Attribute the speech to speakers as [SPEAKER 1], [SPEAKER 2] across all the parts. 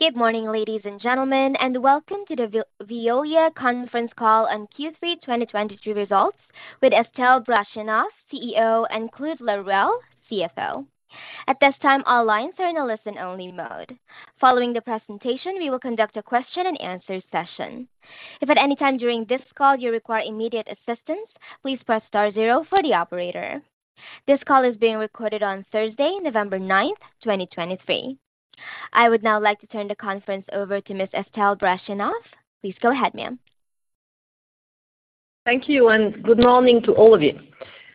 [SPEAKER 1] Good morning, ladies and gentlemen, and welcome to the Veolia conference call on Q3 2023 results with Estelle Brachlianoff, CEO, and Claude Laruelle, CFO. At this time, all lines are in a listen-only mode. Following the presentation, we will conduct a question and answer session. If at any time during this call you require immediate assistance, please press star zero for the operator. This call is being recorded on Thursday, November 9, 2023. I would now like to turn the conference over to Ms. Estelle Brachlianoff. Please go ahead, ma'am.
[SPEAKER 2] Thank you, and good morning to all of you,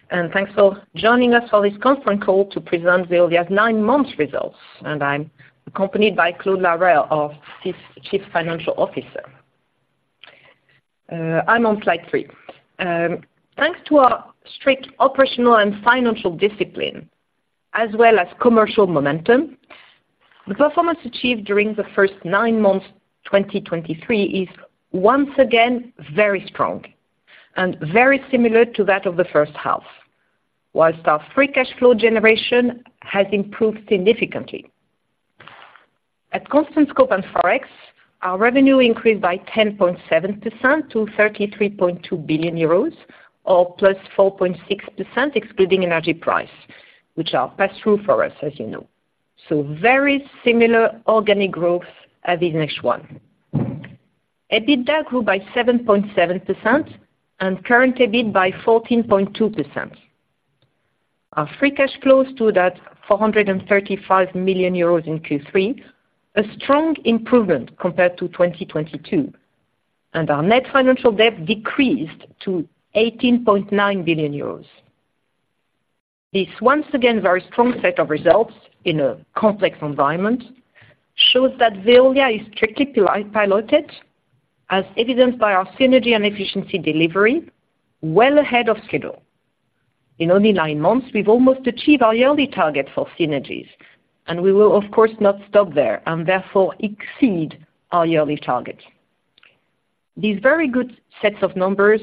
[SPEAKER 2] and thanks for joining us for this conference call to present Veolia's nine months results. I'm accompanied by Claude Laruelle, our Chief Financial Officer. I'm on slide three. Thanks to our strict operational and financial discipline, as well as commercial momentum, the performance achieved during the first nine months, 2023, is once again very strong and very similar to that of the H1. While our free cash flow generation has improved significantly. At constant scope and Forex, our revenue increased by 10.7% to 33.2 billion euros, or +4.6%, excluding energy price, which are pass-through for us, as you know. So very similar organic growth at the next one. EBITDA grew by 7.7% and current EBIT by 14.2%. Our free cash flow stood at 435 million euros in Q3, a strong improvement compared to 2022, and our net financial debt decreased to 18.9 billion euros. This once again, very strong set of results in a complex environment, shows that Veolia is strictly piloted, as evidenced by our synergy and efficiency delivery well ahead of schedule. In only nine months, we've almost achieved our yearly target for synergies, and we will, of course, not stop there and therefore exceed our yearly target. These very good sets of numbers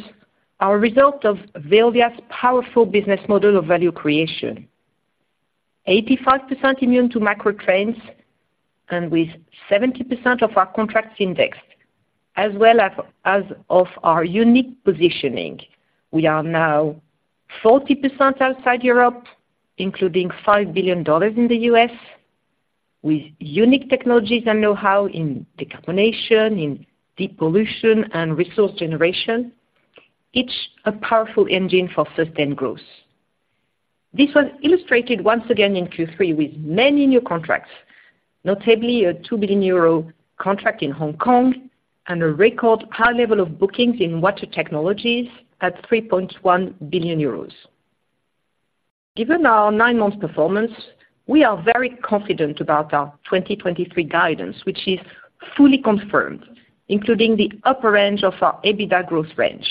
[SPEAKER 2] are a result of Veolia's powerful business model of value creation. 85% immune to macro trends and with 70% of our contracts indexed, as well as, as of our unique positioning. We are now 40% outside Europe, including $5 billion in the U.S., with unique technologies and know-how in decarbonization, in depollution and resource generation. It's a powerful engine for sustained growth. This was illustrated once again in Q3, with many new contracts, notably a 2 billion euro contract in Hong Kong and a record high level of bookings in water technologies at 3.1 billion euros. Given our nine-month performance, we are very confident about our 2023 guidance, which is fully confirmed, including the upper range of our EBITDA growth range.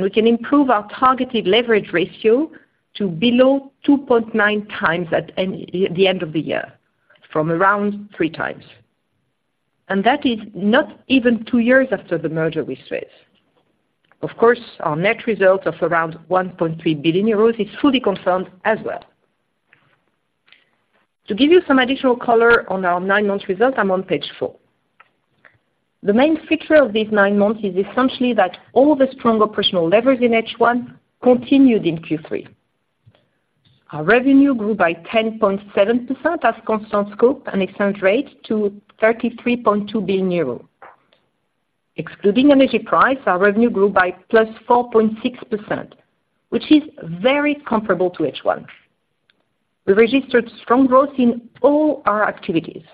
[SPEAKER 2] We can improve our targeted leverage ratio to below 2.9x at end, the end of the year, from around 3x. That is not even two years after the merger with SUEZ. Of course, our net result of around 1.3 billion euros is fully confirmed as well. To give you some additional color on our nine-month results, I'm on page four. The main feature of these nine months is essentially that all the strong operational leverage in H1 continued in Q3. Our revenue grew by 10.7% at constant scope and exchange rate to 33.2 billion euros. Excluding energy price, our revenue grew by +4.6%, which is very comparable to H1. We registered strong growth in all our activities.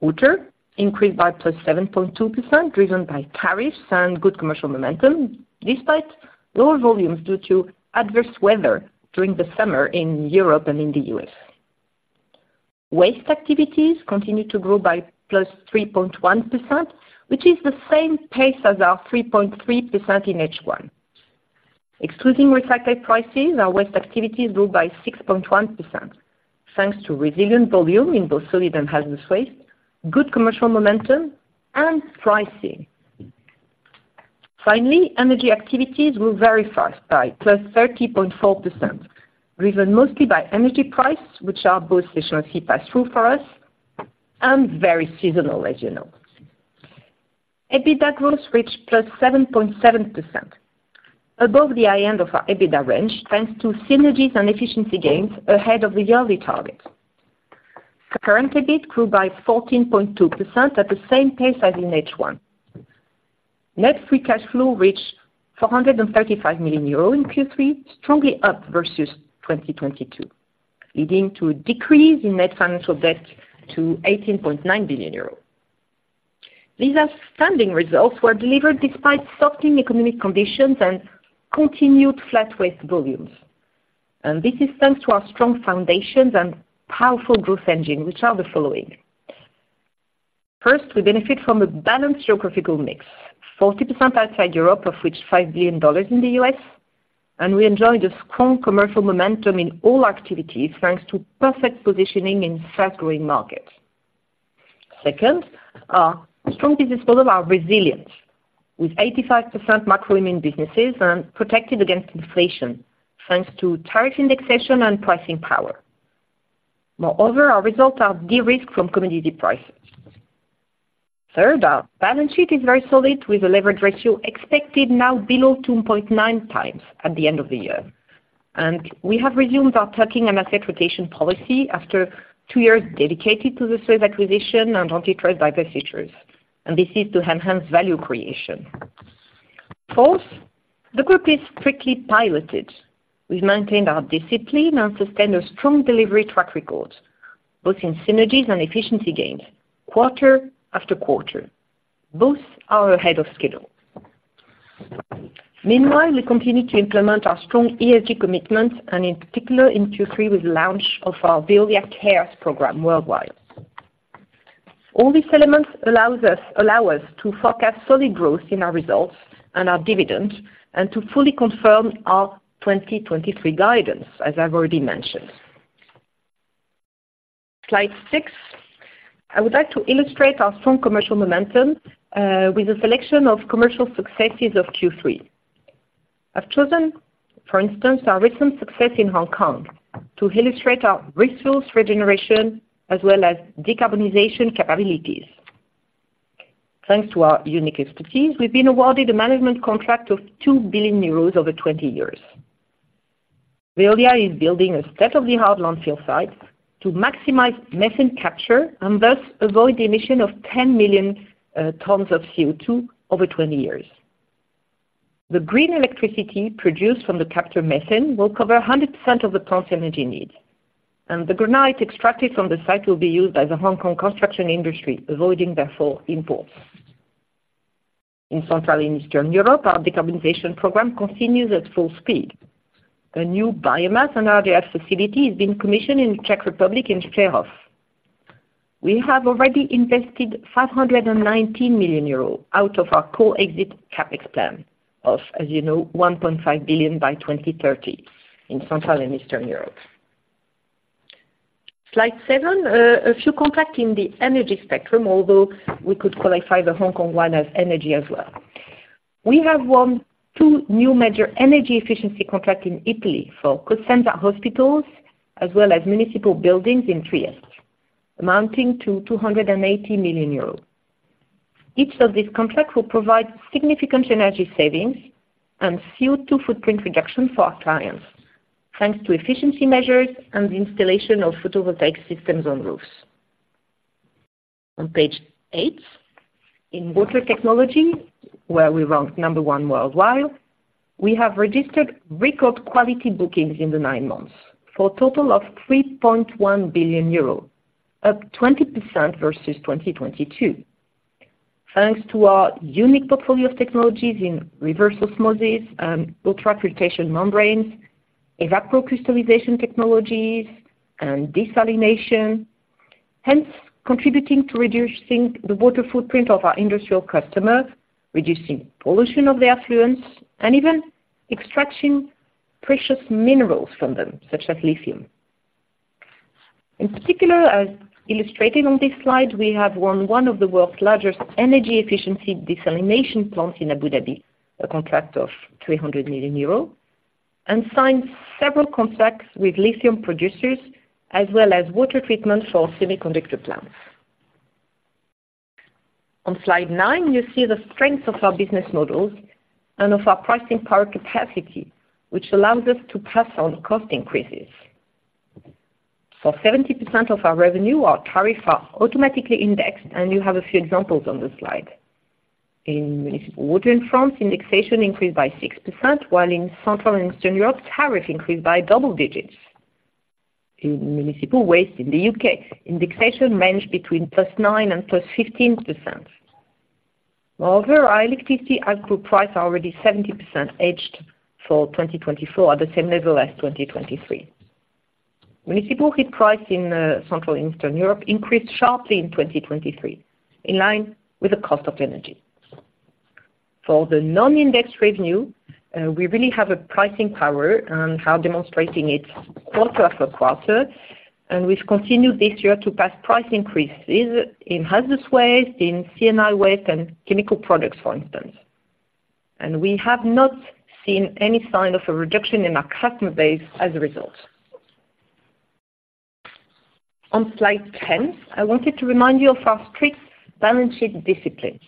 [SPEAKER 2] Water increased by +7.2%, driven by tariffs and good commercial momentum, despite lower volumes due to adverse weather during the summer in Europe and in the U.S. Waste activities continued to grow by +3.1%, which is the same pace as our 3.3% in H1. Excluding recycled prices, our waste activities grew by 6.1%, thanks to resilient volume in both solid and hazardous waste, good commercial momentum and pricing. Finally, energy activities grew very fast by +30.4%, driven mostly by energy prices, which are both essentially pass through for us and very seasonal, as you know. EBITDA growth reached +7.7%, above the high end of our EBITDA range, thanks to synergies and efficiency gains ahead of the yearly target. Current EBIT grew by 14.2% at the same pace as in H1. Net free cash flow reached 435 million euro in Q3, strongly up versus 2022, leading to a decrease in net financial debt to 18.9 billion euros. These outstanding results were delivered despite softening economic conditions and continued flat waste volumes. And this is thanks to our strong foundations and powerful growth engine, which are the following: First, we benefit from a balanced geographical mix, 40% outside Europe, of which $5 billion in the U.S., and we enjoy the strong commercial momentum in all activities, thanks to perfect positioning in fast-growing markets. Second, strong business model are resilient with 85% macro immune businesses and protected against inflation, thanks to tariff indexation and pricing power. Moreover, our results are de-risked from commodity prices. Third, our balance sheet is very solid, with a leverage ratio expected now below 2.9x at the end of the year. And we have resumed our tuck-in and asset rotation policy after two years dedicated to the SUEZ acquisition and antitrust divestitures, and this is to enhance value creation. Fourth, the group is strictly piloted. We've maintained our discipline and sustained a strong delivery track record, both in synergies and efficiency gains, quarter after quarter. Both are ahead of schedule. Meanwhile, we continue to implement our strong ESG commitment, and in particular, in Q3, with the launch of our Veolia Cares program worldwide. All these elements allows us- allow us to forecast solid growth in our results and our dividends, and to fully confirm our 2023 guidance, as I've already mentioned. Slide six. I would like to illustrate our strong commercial momentum with a selection of commercial successes of Q3. I've chosen, for instance, our recent success in Hong Kong, to illustrate our resource regeneration as well as decarbonization capabilities. Thanks to our unique expertise, we've been awarded a management contract of 2 billion euros over 20 years. Veolia is building a state-of-the-art landfill site to maximize methane capture and thus avoid the emission of 10 million tons of CO2 over 20 years. The green electricity produced from the captured methane will cover 100% of the plant's energy needs, and the granite extracted from the site will be used by the Hong Kong construction industry, avoiding, therefore, imports. In Central and Eastern Europe, our decarbonization program continues at full speed. A new biomass and RDF facility is being commissioned in Czech Republic in Cheb. We have already invested 519 million euros out of our core exit CapEx plan of, as you know, 1.5 billion by 2030 in Central and Eastern Europe. Slide seven. A few contracts in the energy spectrum, although we could qualify the Hong Kong one as energy as well. We have won two new major energy efficiency contract in Italy for Cosenza hospitals, as well as municipal buildings in Trieste, amounting to 280 million euros. Each of these contracts will provide significant energy savings and CO2 footprint reduction for our clients, thanks to efficiency measures and the installation of photovoltaic systems on roofs. On page eight, in water technology, where we rank number one worldwide, we have registered record quality bookings in the nine months for a total of 3.1 billion euros, up 20% versus 2022. Thanks to our unique portfolio of technologies in reverse osmosis and ultrafiltration membranes, evaporative crystallization technologies, and desalination, hence contributing to reducing the water footprint of our industrial customers, reducing pollution of the effluents, and even extracting precious minerals from them, such as lithium. In particular, as illustrated on this slide, we have won one of the world's largest energy efficiency desalination plants in Abu Dhabi, a contract of 300 million euros, and signed several contracts with lithium producers, as well as water treatment for semiconductor plants. On slide nine, you see the strength of our business models and of our pricing power capacity, which allows us to pass on cost increases. For 70% of our revenue, our tariffs are automatically indexed, and you have a few examples on the slide. In municipal water in France, indexation increased by 6%, while in Central and Eastern Europe, tariff increased by double digits. In municipal waste in the U.K., indexation ranged between +9% and +15%. Moreover, our electricity output price are already 70% hedged for 2024, at the same level as 2023. Municipal heat price in Central and Eastern Europe increased sharply in 2023, in line with the cost of energy. For the non-indexed revenue, we really have a pricing power and are demonstrating it quarter after quarter, and we've continued this year to pass price increases in hazardous waste, in C&I waste, and chemical products, for instance. And we have not seen any sign of a reduction in our customer base as a result. On slide 10, I wanted to remind you of our strict balance sheet disciplines.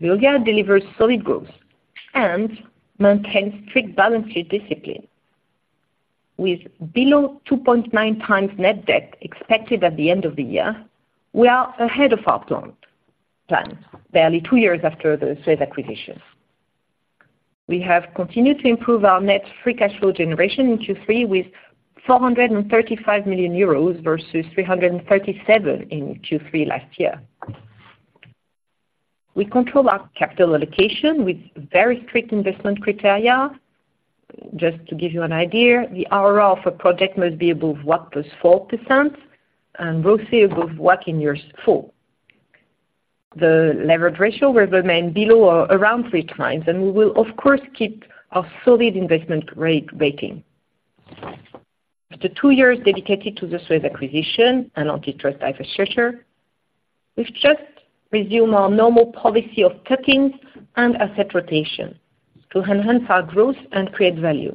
[SPEAKER 2] Veolia delivers solid growth and maintains strict balance sheet discipline. With below 2.9x net debt expected at the end of the year, we are ahead of our plan barely two years after the SUEZ acquisition. We have continued to improve our net free cash flow generation in Q3, with 435 million euros versus 337 million in Q3 last year. We control our capital allocation with very strict investment criteria. Just to give you an idea, the IRR of a project must be above WACC +4%, and ROC above WACC in year four. The leverage ratio will remain below or around 3x, and we will of course keep our solid investment grade rating. After two years dedicated to the SUEZ acquisition and antitrust divestiture, we've just resumed our normal policy of cutting and asset rotation to enhance our growth and create value.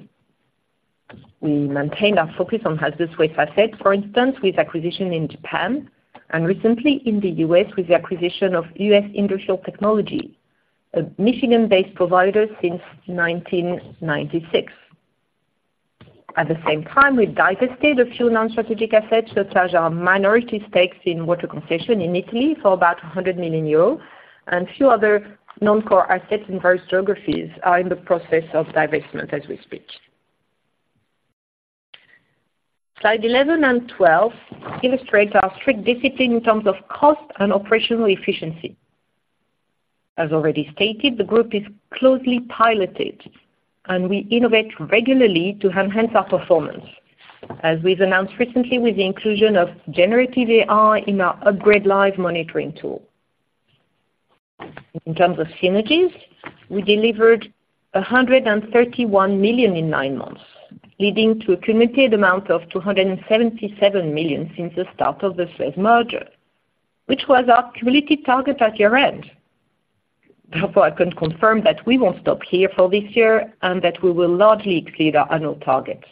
[SPEAKER 2] We maintained our focus on hazardous waste assets, for instance, with acquisition in Japan and recently in the U.S. with the acquisition of U.S. Industrial Technologies, a Michigan-based provider since 1996. At the same time, we divested a few non-strategic assets, such as our minority stakes in water concession in Italy for about 100 million euros, and few other non-core assets in various geographies are in the process of divestment as we speak. Slide 11 and 12 illustrates our strict discipline in terms of cost and operational efficiency. As already stated, the group is closely piloted, and we innovate regularly to enhance our performance, as we've announced recently with the inclusion of Generative AI in our Hubgrade live monitoring tool. In terms of synergies, we delivered 131 million in nine months, leading to a cumulative amount of 277 million since the start of the SUEZ merger, which was our community target at year-end. Therefore, I can confirm that we won't stop here for this year and that we will largely exceed our annual target.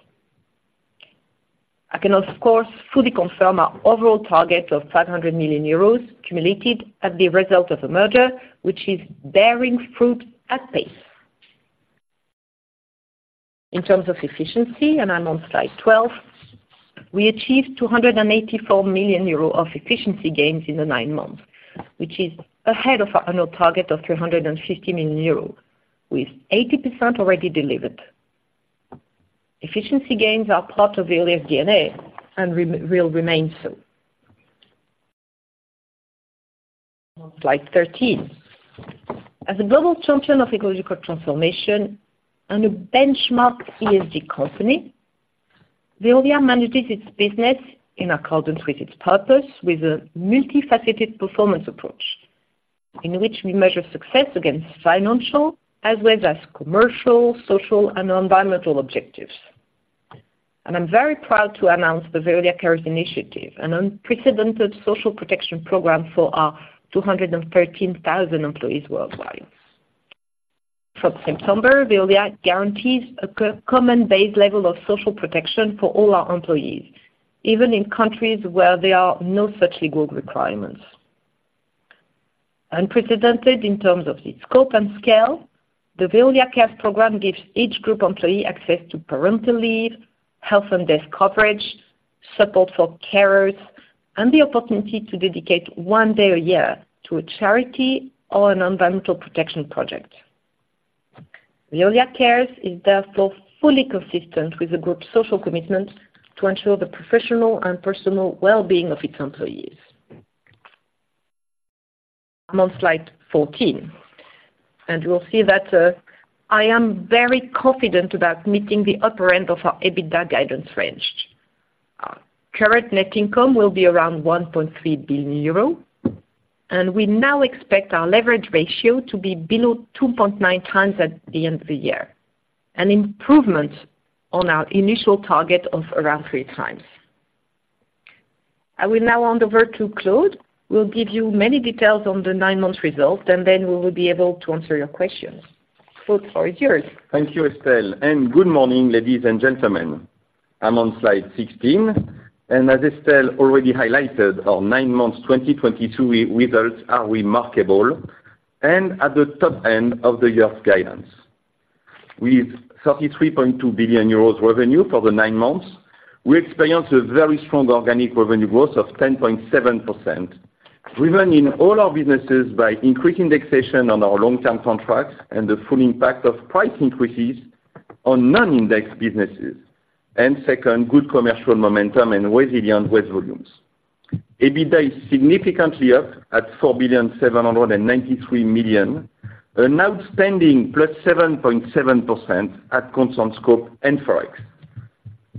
[SPEAKER 2] I can, of course, fully confirm our overall target of 500 million euros cumulative at the result of the merger, which is bearing fruit at pace. In terms of efficiency, and I'm on slide 12, we achieved 284 million euro of efficiency gains in the nine months, which is ahead of our annual target of 350 million euro, with 80% already delivered. Efficiency gains are part of Veolia's DNA and will remain so. Slide 13. As a global champion of ecological transformation and a benchmark ESG company, Veolia manages its business in accordance with its purpose, with a multifaceted performance approach, in which we measure success against financial as well as commercial, social, and environmental objectives. And I'm very proud to announce the Veolia Cares initiative, an unprecedented social protection program for our 213,000 employees worldwide. From September, Veolia guarantees a common base level of social protection for all our employees, even in countries where there are no such legal requirements. Unprecedented in terms of its scope and scale, the Veolia Cares program gives each group employee access to parental leave, health and death coverage, support for carers, and the opportunity to dedicate one day a year to a charity or an environmental protection project. Veolia Cares is therefore fully consistent with the group's social commitment to ensure the professional and personal well-being of its employees. I'm on slide 14, and we'll see that, I am very confident about meeting the upper end of our EBITDA guidance range. Our current net income will be around 1.3 billion euro, and we now expect our leverage ratio to be below 2.9x at the end of the year, an improvement on our initial target of around 3x. I will now hand over to Claude, who will give you many details on the nine-month results, and then we will be able to answer your questions. Claude, the floor is yours.
[SPEAKER 3] Thank you, Estelle, and good morning, ladies and gentlemen. I'm on slide 16, and as Estelle already highlighted, our nine-month 2022 results are remarkable and at the top end of the year's guidance. With 33.2 billion euros revenue for the nine months, we experienced a very strong organic revenue growth of 10.7%, driven in all our businesses by increased indexation on our long-term contracts and the full impact of price increases on non-indexed businesses, and second, good commercial momentum and resilient waste volumes. EBITDA is significantly up, at 4,793,000,000 million, an outstanding +7.7% at constant scope and Forex.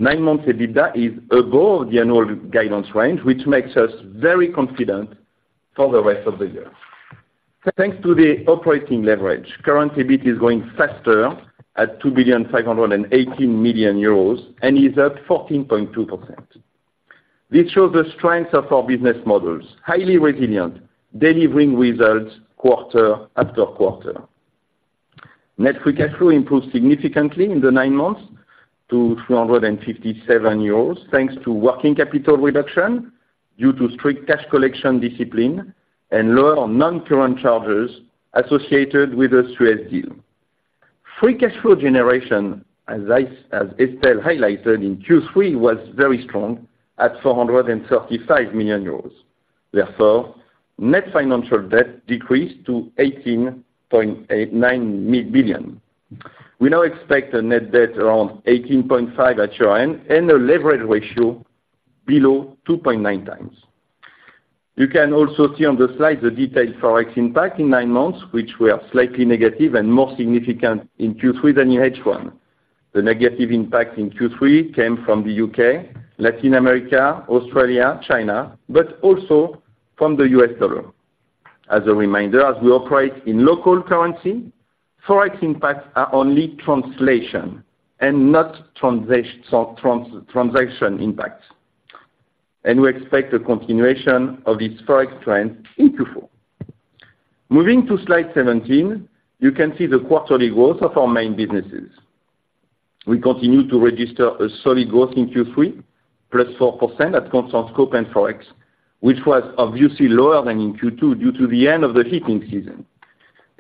[SPEAKER 3] Nine months EBITDA is above the annual guidance range, which makes us very confident for the rest of the year. Thanks to the operating leverage, Current EBIT is growing faster at 2,518,000,000 million euros and is up 14.2%. This shows the strength of our business models, highly resilient, delivering results quarter after quarter. Net free cash flow improved significantly in the nine months to 357 million euros, thanks to working capital reduction due to strict cash collection discipline and lower non-current charges associated with the SUEZ deal. Free cash flow generation, as I, as Estelle highlighted in Q3, was very strong at 435 million euros. Therefore, net financial debt decreased to 18.9 billion. We now expect a net debt around 18.5 billion at year-end and a leverage ratio below 2.9x. You can also see on the slide the detailed Forex impact in nine months, which were slightly negative and more significant in Q3 than in H1. The negative impact in Q3 came from the U.K., Latin America, Australia, China, but also from the U.S. dollar. As a reminder, as we operate in local currency, Forex impacts are only translation and not transaction impact. We expect a continuation of this Forex trend into four. Moving to slide 17, you can see the quarterly growth of our main businesses. We continue to register a solid growth in Q3, +4% at constant scope and Forex, which was obviously lower than in Q2 due to the end of the heating season.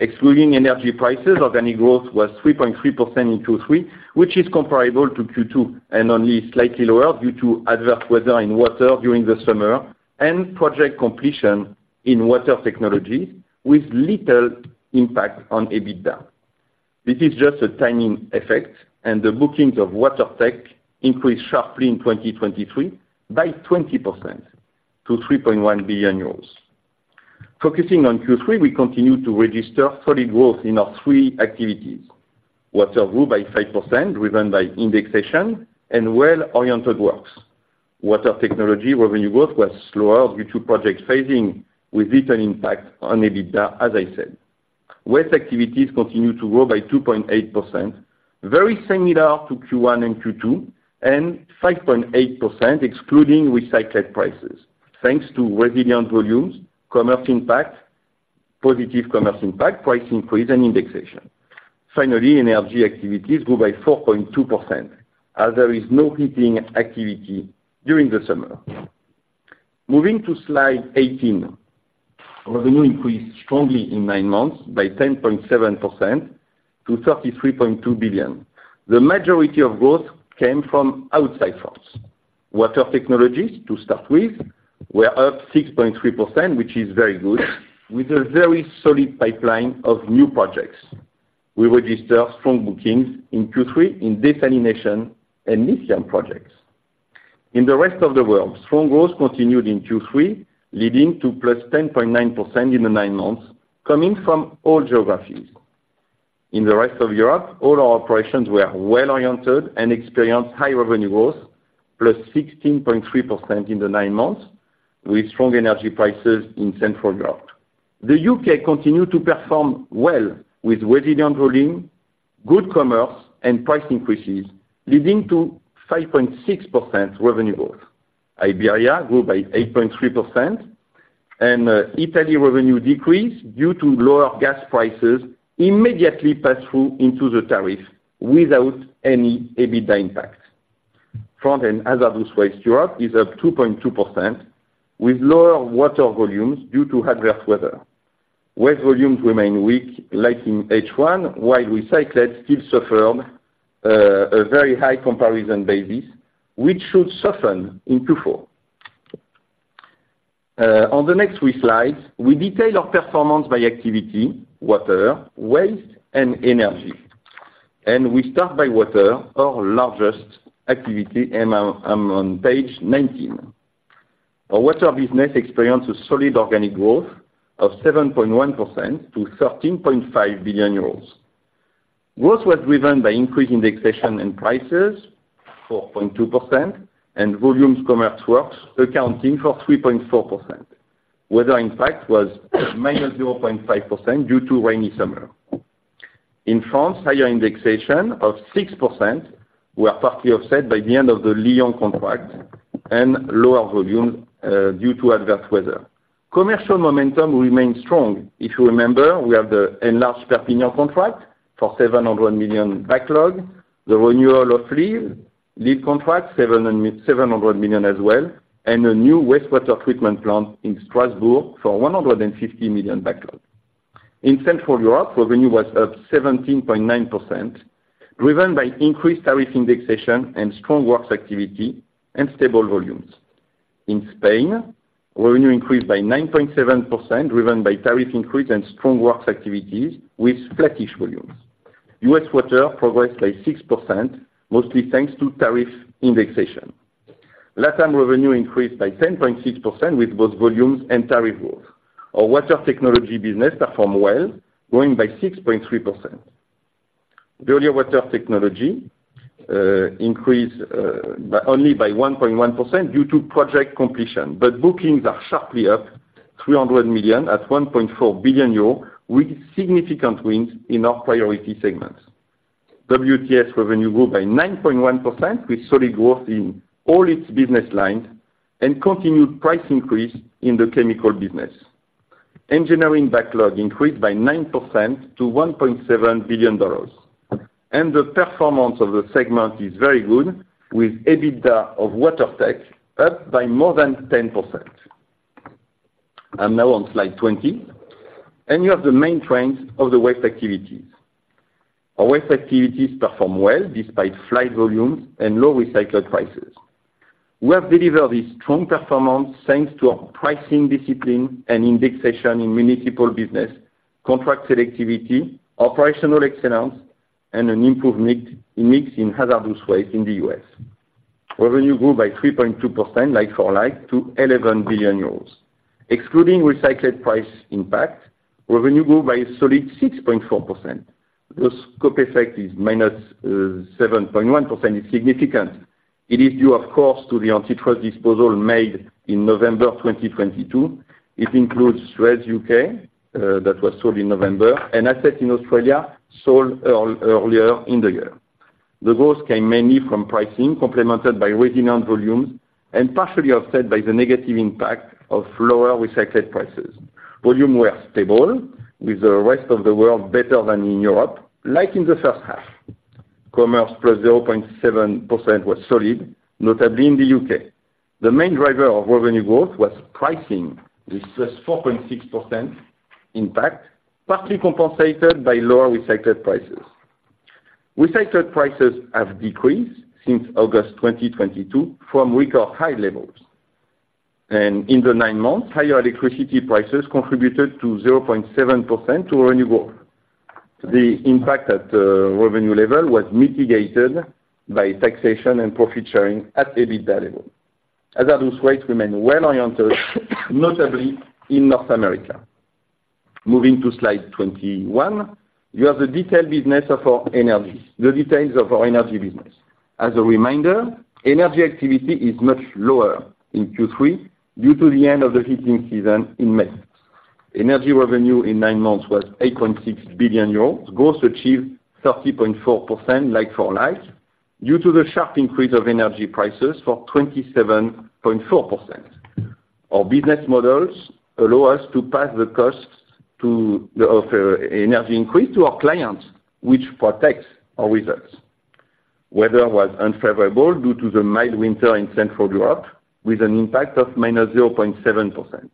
[SPEAKER 3] Excluding energy prices, organic growth was 3.3% in Q3, which is comparable to Q2 and only slightly lower due to adverse weather and water during the summer, and project completion in water technologies, with little impact on EBITDA. This is just a timing effect, and the bookings of Water Tech increased sharply in 2023 by 20% to 3.1 billion euros. Focusing on Q3, we continue to register solid growth in our three activities. Water grew by 5%, driven by indexation and well-oriented works. Water technology revenue growth was slower due to project phasing, with little impact on EBITDA, as I said. Waste activities continue to grow by 2.8%, very similar to Q1 and Q2, and 5.8%, excluding recycled prices, thanks to resilient volumes, commerce impact, positive commerce impact, price increase, and indexation. Finally, energy activities grew by 4.2%, as there is no heating activity during the summer. Moving to slide 18. Revenue increased strongly in nine months by 10.7% to 33.2 billion. The majority of growth came from outside France. Water technologies, to start with, were up 6.3%, which is very good, with a very solid pipeline of new projects. We registered strong bookings in Q3 in desalination and lithium projects. In the rest of the world, strong growth continued in Q3, leading to +10.9% in the nine months, coming from all geographies. In the rest of Europe, all our operations were well-oriented and experienced high revenue growth, +16.3% in the nine months, with strong energy prices in Central Europe. The U.K. continued to perform well, with resilient volume, good commercial, and price increases, leading to 5.6% revenue growth. Iberia grew by 8.3%, and Italy revenue decreased due to lower gas prices, immediately passed through into the tariff without any EBITDA impact. Front end hazardous waste Europe is up 2.2%, with lower water volumes due to adverse weather. Waste volumes remain weak, like in H1, while recycled still suffered a very high comparison basis, which should soften into four. On the next three slides, we detail our performance by activity, water, waste, and energy. We start by water, our largest activity, and I'm on page 19. Our water business experienced a solid organic growth of 7.1% to 13.5 billion euros. Growth was driven by increased indexation and prices, 4.2%, and volumes commerce works accounting for 3.4%. Weather impact was -0.5% due to rainy summer. In France, higher indexation of 6% were partly offset by the end of the Lyon contract and lower volumes, due to adverse weather. Commercial momentum remains strong. If you remember, we have the enlarged Perpignan contract for 700 million backlog, the renewal of Lille, Lille contract, 700 million as well, and a new wastewater treatment plant in Strasbourg for 150 million backlog. In Central Europe, revenue was up 17.9%, driven by increased tariff indexation and strong works activity and stable volumes. In Spain, revenue increased by 9.7%, driven by tariff increase and strong works activities with flattish volumes. U.S. water progressed by 6%, mostly thanks to tariff indexation. Latam revenue increased by 10.6% with both volumes and tariff growth. Our water technology business performed well, growing by 6.3%. Veolia Water Technology increased by only by 1.1% due to project completion, but bookings are sharply up 300 million at 1.4 billion euros, with significant wins in our priority segments. WTS revenue grew by 9.1%, with solid growth in all its business lines and continued price increase in the chemical business. Engineering backlog increased by 9% to $1.7 billion. The performance of the segment is very good, with EBITDA of Water Tech up by more than 10%. I'm now on slide 20, and you have the main trends of the waste activities. Our waste activities perform well despite flat volumes and low recycled prices. We have delivered a strong performance, thanks to our pricing discipline and indexation in municipal business, contract selectivity, operational excellence, and an improved mix in hazardous waste in the U.S. Revenue grew by 3.2%, like-for-like, to 11 billion euros. Excluding recycled price impact, revenue grew by a solid 6.4%. The scope effect is minus 7.1% is significant. It is due, of course, to the antitrust disposal made in November 2022. It includes SUEZ UK that was sold in November, and assets in Australia sold earlier in the year. The growth came mainly from pricing, complemented by resilient volumes and partially offset by the negative impact of lower recycled prices. Volume were stable, with the rest of the world better than in Europe, like in the H1. Commerce +0.7% was solid, notably in the U.K. The main driver of revenue growth was pricing, with +4.6% impact, partly compensated by lower recycled prices. Recycled prices have decreased since August 2022 from record high levels. In the nine months, higher electricity prices contributed to 0.7% to revenue growth. The impact at the revenue level was mitigated by taxation and profit sharing at EBITDA level. Hazardous waste remain well-oriented, notably in North America. Moving to slide 21, you have the detailed business of our energy, the details of our energy business. As a reminder, energy activity is much lower in Q3 due to the end of the heating season in May. Energy revenue in nine months was 8.6 billion euros. Growth achieved 30.4% like-for-like, due to the sharp increase of energy prices for 27.4%. Our business models allow us to pass the costs to the, of, energy increase to our clients, which protects our results. Weather was unfavorable due to the mild winter in Central Europe, with an impact of -0.7%.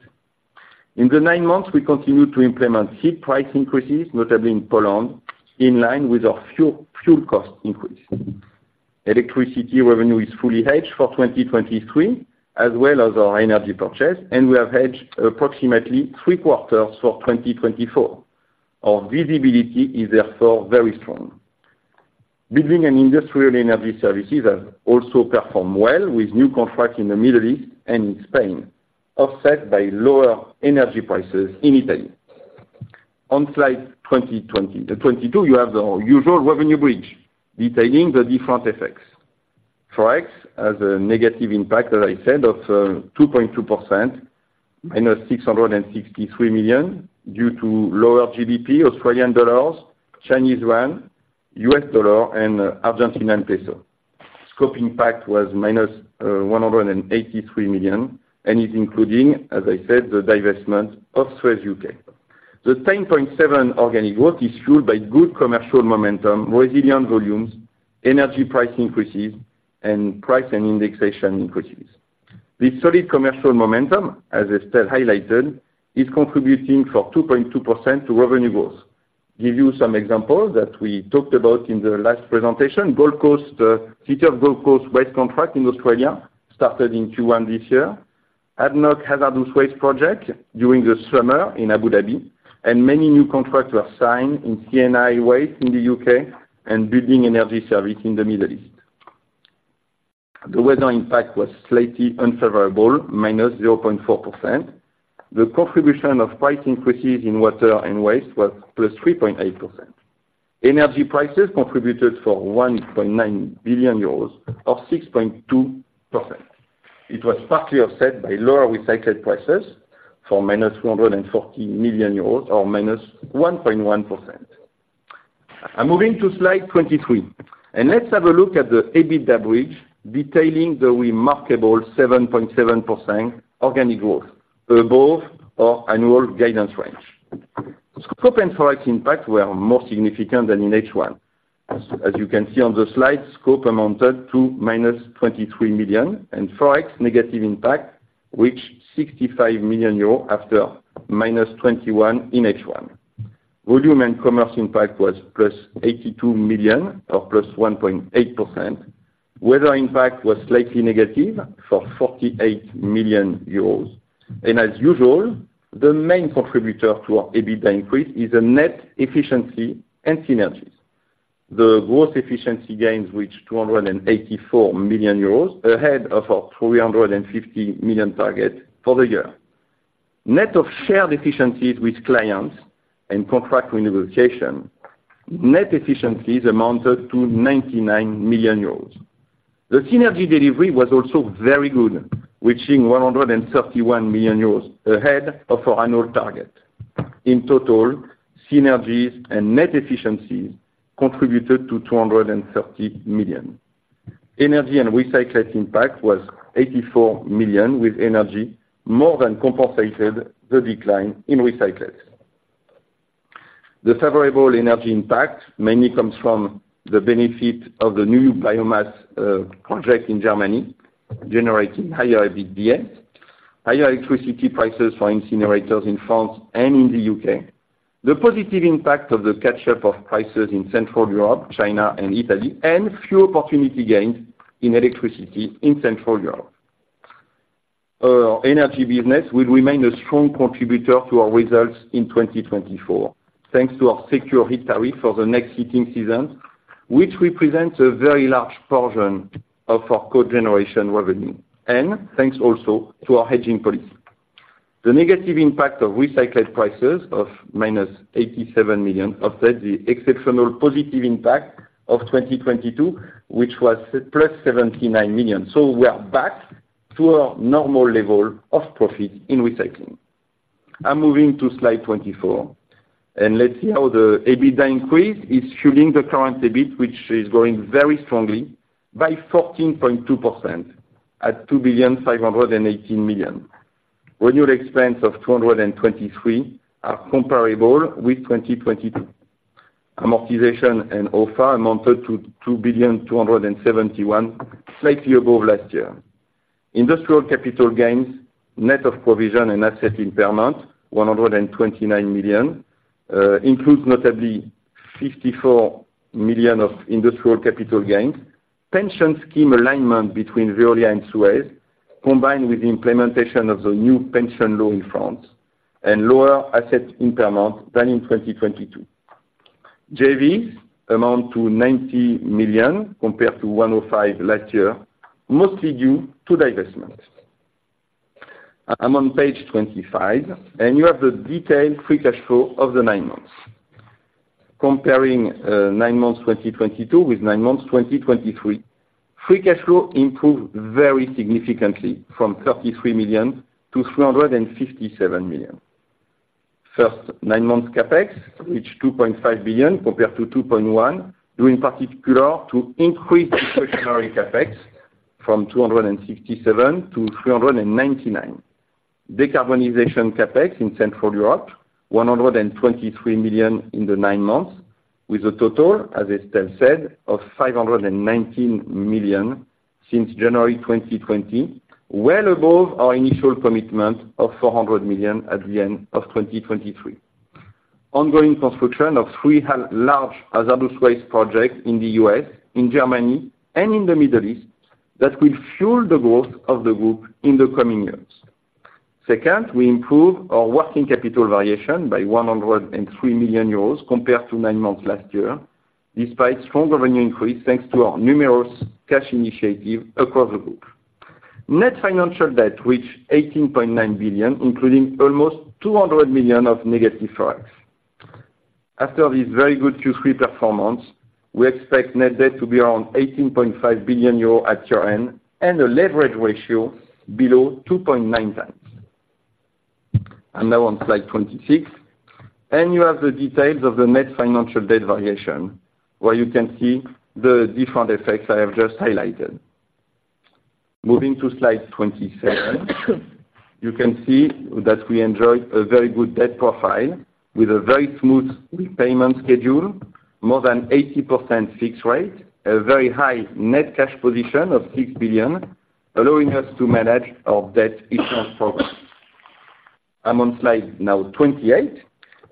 [SPEAKER 3] In the nine months, we continued to implement heat price increases, notably in Poland, in line with our fuel, fuel cost increase. Electricity revenue is fully hedged for 2023, as well as our energy purchase, and we have hedged approximately three quarters for 2024. Our visibility is therefore very strong. Building and industrial energy services have also performed well, with new contracts in the Middle East and in Spain, offset by lower energy prices in Italy. On slide 22, you have the usual revenue bridge detailing the different effects. Forex has a negative impact, as I said, of 2.2%, -663 million, due to lower GDP, Australian dollars, Chinese yuan, U.S. dollar, and Argentinian peso. Scope impact was -183 million and is including, as I said, the divestment of SUEZ UK. The 10.7 organic growth is fueled by good commercial momentum, resilient volumes, energy price increases, and price and indexation increases. The solid commercial momentum, as Estelle highlighted, is contributing 2.2% to revenue growth. Give you some examples that we talked about in the last presentation. Gold Coast, City of Gold Coast waste contract in Australia started in Q1 this year. ADNOC hazardous waste project during the summer in Abu Dhabi, and many new contracts were signed in C&I waste in the U.K. and building energy service in the Middle East. The weather impact was slightly unfavorable, -0.4%. The contribution of price increases in water and waste was +3.8%. Energy prices contributed for 1.9 billion euros, or 6.2%. It was partly offset by lower recycled prices for -240 million euros or -1.1%. I'm moving to slide 23, and let's have a look at the EBITDA bridge, detailing the remarkable 7.7% organic growth, above our annual guidance range. Scope and Forex impact were more significant than in H1. As you can see on the slide, scope amounted to -23 million, and Forex negative impact reached -65 million euros after -21% in H1. Volume and commerce impact was +82 million or +1.8%. Weather impact was slightly negative for -48 million euros. As usual, the main contributor to our EBITDA increase is a net efficiency and synergies. The growth efficiency gains reached 284 million euros, ahead of our 350 million target for the year. Net of shared efficiencies with clients and contract renegotiation, net efficiencies amounted to 99 million euros. The synergy delivery was also very good, reaching 131 million euros, ahead of our annual target. In total, synergies and net efficiencies contributed to 230 million. Energy and recycled impact was 84 million, with energy more than compensated the decline in recycled. The favorable energy impact mainly comes from the benefit of the new biomass project in Germany, generating higher EBITDA, higher electricity prices for incinerators in France and in the U.K. The positive impact of the catch-up of prices in Central Europe, China, and Italy, and few opportunity gains in electricity in Central Europe. Our energy business will remain a strong contributor to our results in 2024, thanks to our secure heat tariff for the next heating season, which represents a very large portion of our cogeneration revenue, and thanks also to our hedging policy. The negative impact of recycled prices of -87 million offset the exceptional positive impact of 2022, which was +79 million. So we are back to our normal level of profit in recycling. I'm moving to slide 24, and let's see how the EBITDA increase is fueling the current EBIT, which is growing very strongly by 14.2% at 2,518,000,000 million. Renewal expense of 223 million are comparable with 2022. Amortization and provisions amounted to 2,271,000,000 million, slightly above last year. Industrial capital gains, net of provision and asset impairment, 129 million, includes notably 54 million of industrial capital gains, pension scheme alignment between Veolia and SUEZ, combined with the implementation of the new pension law in France and lower asset impairment than in 2022. JVs amount to 90 million compared to 105 million last year, mostly due to divestments. I'm on page 25, and you have the detailed free cash flow of the nine months. Comparing nine months, 2022, with nine months, 2023, free cash flow improved very significantly from 33 million to 357 million. First nine months CapEx reached 2.5 billion compared to 2.1 billion, due in particular to increase the discretionary CapEx from 267 million to 399 million. Decarbonization CapEx in Central Europe, 123 million in the nine months, with a total, as Estelle said, of 519 million since January 2020, well above our initial commitment of 400 million at the end of 2023. Ongoing construction of three large hazardous waste projects in the U.S., in Germany, and in the Middle East, that will fuel the growth of the group in the coming years. Second, we improve our working capital variation by 103 million euros compared to nine months last year, despite strong revenue increase, thanks to our numerous cash initiative across the group. Net financial debt reached 18.9 billion, including almost 200 million of negative effects. After this very good Q3 performance, we expect net debt to be around 18.5 billion euro at year-end and a leverage ratio below 2.9x. I'm now on slide 26, and you have the details of the net financial debt variation, where you can see the different effects I have just highlighted. Moving to slide 27, you can see that we enjoyed a very good debt profile with a very smooth payment schedule, more than 80% fixed rate, a very high net cash position of 6 billion, allowing us to manage our debt issuance program. I'm on slide now 28,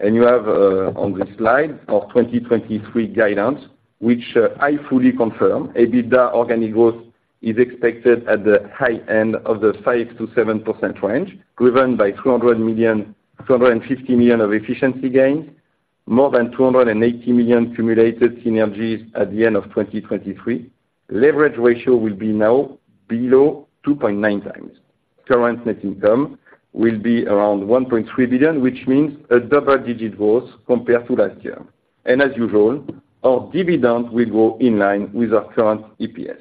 [SPEAKER 3] and you have on this slide, our 2023 guidance, which I fully confirm. EBITDA organic growth is expected at the high end of the 5%-7% range, driven by 300 million, 250 million of efficiency gains, more than 280 million cumulative synergies at the end of 2023. Leverage ratio will be now below 2.9x. Current net income will be around 1.3 billion, which means a double-digit growth compared to last year. And as usual, our dividend will grow in line with our current EPS.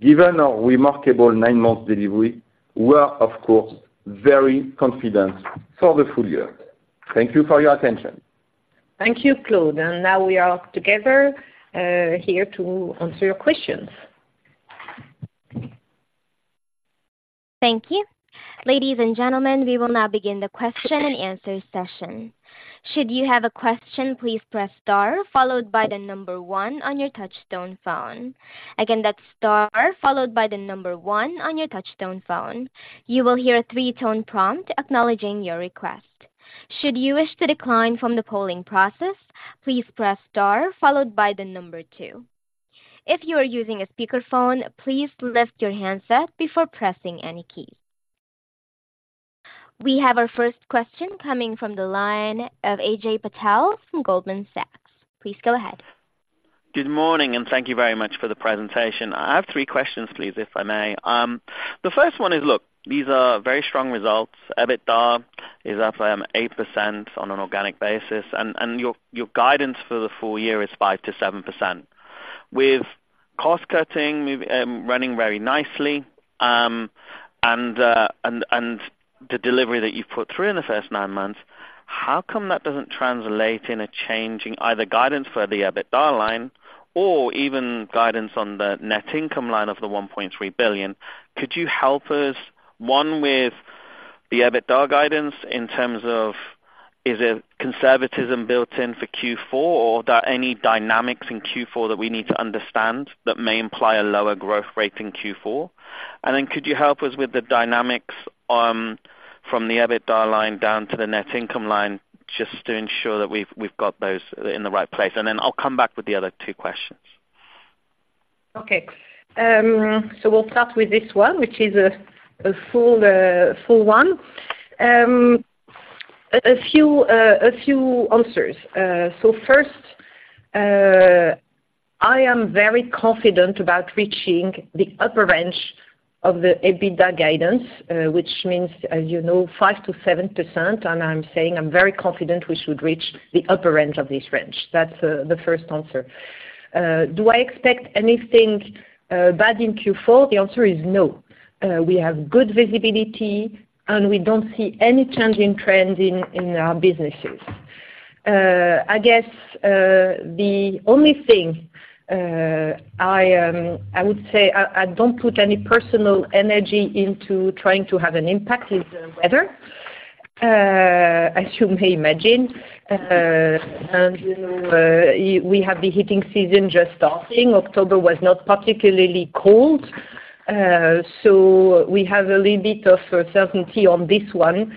[SPEAKER 3] Given our remarkable nine-month delivery, we are, of course, very confident for the full year. Thank you for your attention.
[SPEAKER 2] Thank you, Claude, and now we are together here to answer your questions.
[SPEAKER 1] Thank you. Ladies and gentlemen, we will now begin the question and answer session. Should you have a question, please press star followed by the number one on your touchtone phone. Again, that's star followed by the number one on your touchtone phone. You will hear a three-tone prompt acknowledging your request. Should you wish to decline from the polling process, please press star followed by the number two. If you are using a speakerphone, please lift your handset before pressing any keys. We have our first question coming from the line of Ajay Patel from Goldman Sachs. Please go ahead.
[SPEAKER 4] Good morning, and thank you very much for the presentation. I have three questions, please, if I may. The first one is, look, these are very strong results. EBITDA is up 8% on an organic basis, and your guidance for the full year is 5%-7%. With cost cutting running very nicely, and the delivery that you've put through in the first nine months, how come that doesn't translate in a changing, either guidance for the EBITDA line or even guidance on the net income line of 1.3 billion? Could you help us, one, with the EBITDA guidance in terms of, is it conservatism built in for Q4, or are there any dynamics in Q4 that we need to understand that may imply a lower growth rate in Q4? And then could you help us with the dynamics from the EBITDA line down to the net income line, just to ensure that we've got those in the right place? And then I'll come back with the other two questions.
[SPEAKER 2] Okay. So we'll start with this one, which is a full one. A few answers. So first, I am very confident about reaching the upper range of the EBITDA guidance, which means, as you know, 5%-7%, and I'm saying I'm very confident we should reach the upper range of this range. That's the first answer. Do I expect anything bad in Q4? The answer is no. We have good visibility, and we don't see any change in trend in our businesses. I guess the only thing I would say I don't put any personal energy into trying to have an impact is the weather, as you may imagine. And, you know, we have the heating season just starting. October was not particularly cold, so we have a little bit of certainty on this one.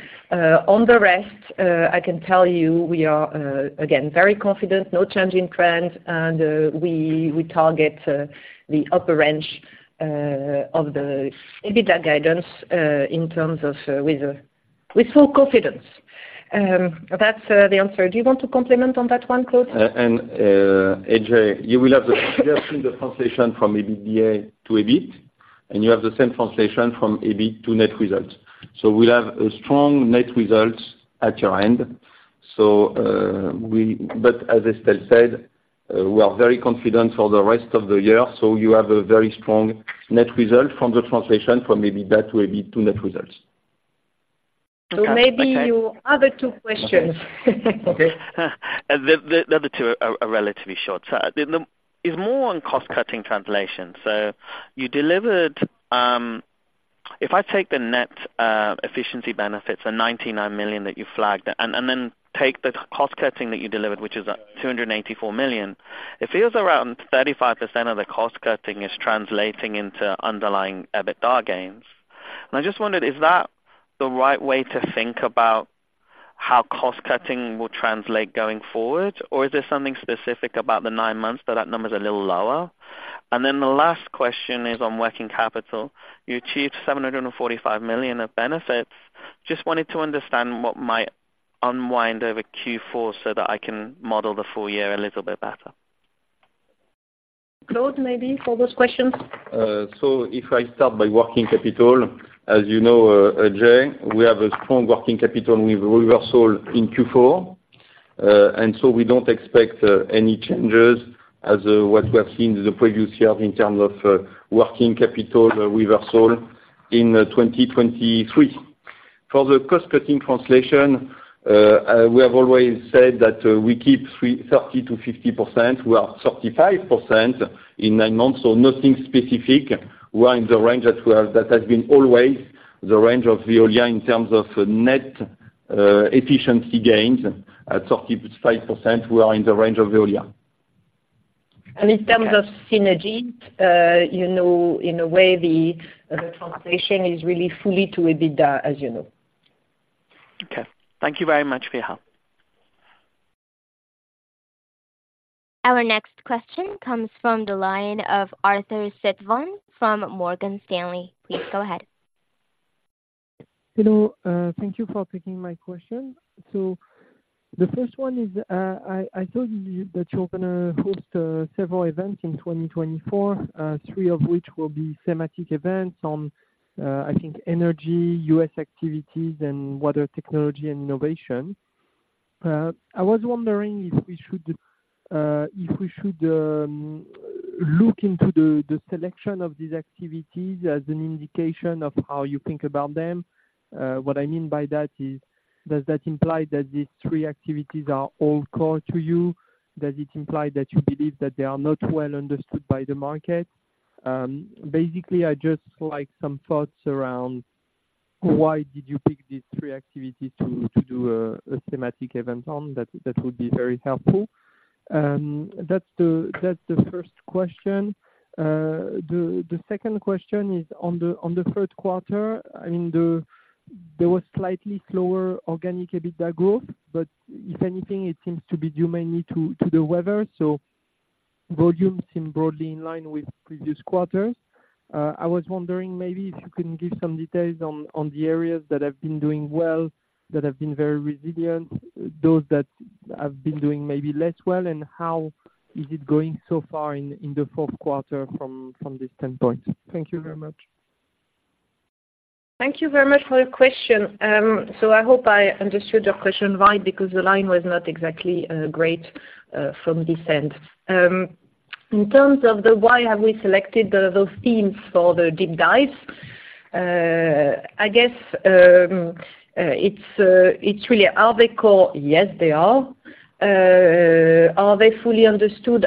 [SPEAKER 2] On the rest, I can tell you we are again very confident, no change in trend, and we target the upper range of the EBITDA guidance in terms of with full confidence. That's the answer. Do you want to comment on that one, Claude?
[SPEAKER 3] Ajay, you will have the translation from EBITDA to EBIT, and you have the same translation from EBIT to net results. So we'll have a strong net result at your end, so, but as Estelle said, we are very confident for the rest of the year, so you have a very strong net result from the translation from EBITDA to EBIT to net results.
[SPEAKER 2] So maybe your other two questions.
[SPEAKER 3] Okay.
[SPEAKER 4] The other two are relatively short. So it's more on cost-cutting translation. So you delivered, if I take the net efficiency benefits, the 99 million that you flagged at, and then take the cost cutting that you delivered, which is, 284 million, it feels around 35% of the cost cutting is translating into underlying EBITDA gains. And I just wondered, is that the right way to think about how cost cutting will translate going forward, or is there something specific about the nine months that that number is a little lower? And then the last question is on working capital. You achieved 745 million of benefits. Just wanted to understand what might unwind over Q4 so that I can model the full year a little bit better.
[SPEAKER 2] Claude, maybe for those questions.
[SPEAKER 3] So if I start by working capital, as you know, Ajay, we have a strong working capital with reversal in Q4. And so we don't expect any changes as what we have seen in the previous year in terms of working capital reversal in 2023. For the cost-cutting translation, we have always said that we keep 30%-50%. We are 35% in nine months, so nothing specific. We are in the range that we are, that has been always the range of Veolia in terms of net efficiency gains. At 35%, we are in the range of Veolia.
[SPEAKER 2] In terms of synergy, you know, in a way, the translation is really fully to EBITDA, as you know.
[SPEAKER 4] Okay. Thank you very much for your help.
[SPEAKER 1] Our next question comes from the line of Arthur Sitbon from Morgan Stanley. Please go ahead.
[SPEAKER 5] Hello, thank you for taking my question. So the first one is, I told you that you're gonna host several events in 2024, three of which will be thematic events on, I think energy, U.S. activities, and water technology and innovation. I was wondering if we should look into the selection of these activities as an indication of how you think about them. What I mean by that is, does that imply that these three activities are all core to you? Does it imply that you believe that they are not well understood by the market? Basically, I'd just like some thoughts around why did you pick these three activities to do a thematic event on? That would be very helpful. That's the first question. The second question is on the Q3. I mean, there was slightly slower organic EBITDA growth, but if anything, it seems to be due mainly to the weather. So volumes seem broadly in line with previous quarters. I was wondering maybe if you can give some details on the areas that have been doing well, that have been very resilient, those that have been doing maybe less well, and how is it going so far in the Q4 from this standpoint? Thank you very much.
[SPEAKER 2] Thank you very much for your question. So I hope I understood your question right, because the line was not exactly great from this end. In terms of the why have we selected those themes for the deep dives, I guess, it's really are they core? Yes, they are. Are they fully understood?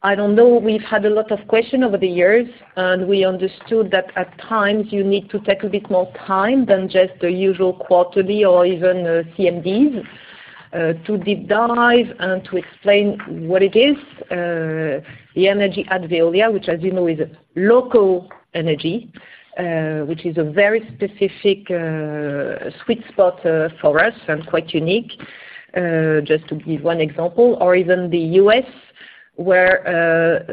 [SPEAKER 2] I don't know. We've had a lot of questions over the years, and we understood that at times you need to take a bit more time than just the usual quarterly or even CMDs to deep dive and to explain what it is. The energy at Veolia, which as you know, is local energy, which is a very specific sweet spot for us and quite unique, just to give one example, or even the U.S.... where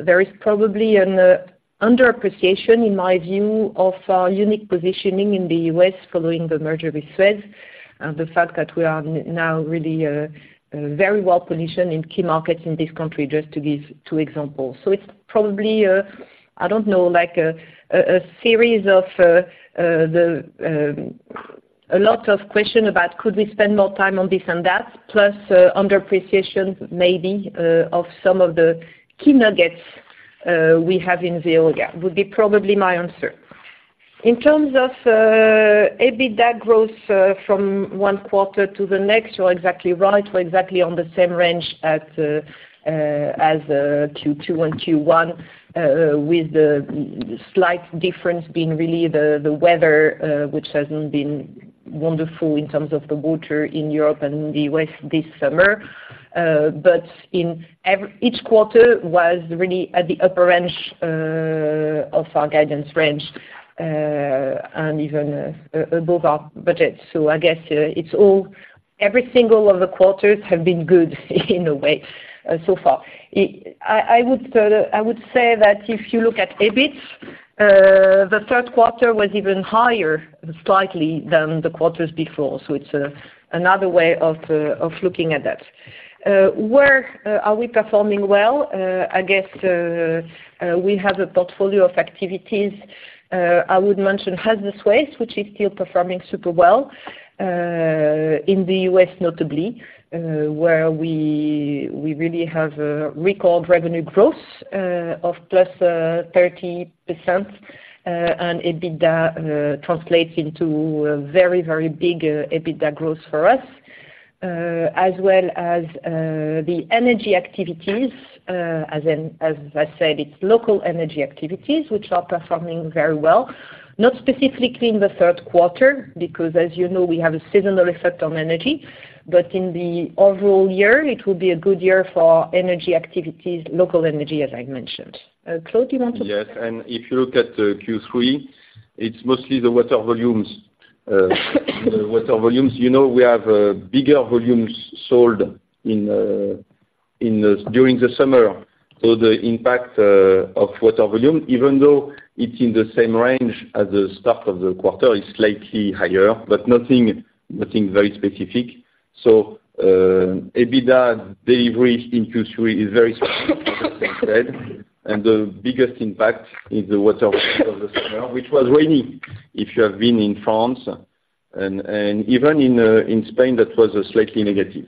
[SPEAKER 2] there is probably an underappreciation, in my view, of our unique positioning in the U.S. following the merger with SUEZ, and the fact that we are now really very well positioned in key markets in this country, just to give two examples. So it's probably, I don't know, like a series of a lot of question about could we spend more time on this and that, plus underappreciation maybe of some of the key nuggets we have in Veolia, would be probably my answer. In terms of EBITDA growth from one quarter to the next, you're exactly right. We're exactly on the same range as Q2 and Q1, with the slight difference being really the weather, which hasn't been wonderful in terms of the water in Europe and the U.S. this summer. But in each quarter was really at the upper range of our guidance range, and even above our budget. So I guess it's every single of the quarters have been good in a way, so far. I would say that if you look at EBIT, the Q3 was even higher, slightly, than the quarters before. So it's another way of looking at that. Where are we performing well? I guess we have a portfolio of activities. I would mention hazardous waste, which is still performing super well, in the U.S. notably, where we really have a record revenue growth of +30%, and EBITDA translates into a very, very big EBITDA growth for us. As well as the energy activities, as I said, it's local energy activities which are performing very well. Not specifically in the Q3, because as you know, we have a seasonal effect on energy. But in the overall year, it will be a good year for energy activities, local energy, as I mentioned. Claude, you want to?
[SPEAKER 3] Yes, and if you look at Q3, it's mostly the water volumes. The water volumes, you know, we have bigger volumes sold in during the summer. So the impact of water volume, even though it's in the same range as the start of the quarter, is slightly higher, but nothing, nothing very specific. So, EBITDA delivery in Q3 is very similar to what I said. And the biggest impact is the water over the summer, which was rainy, if you have been in France, and even in Spain, that was slightly negative.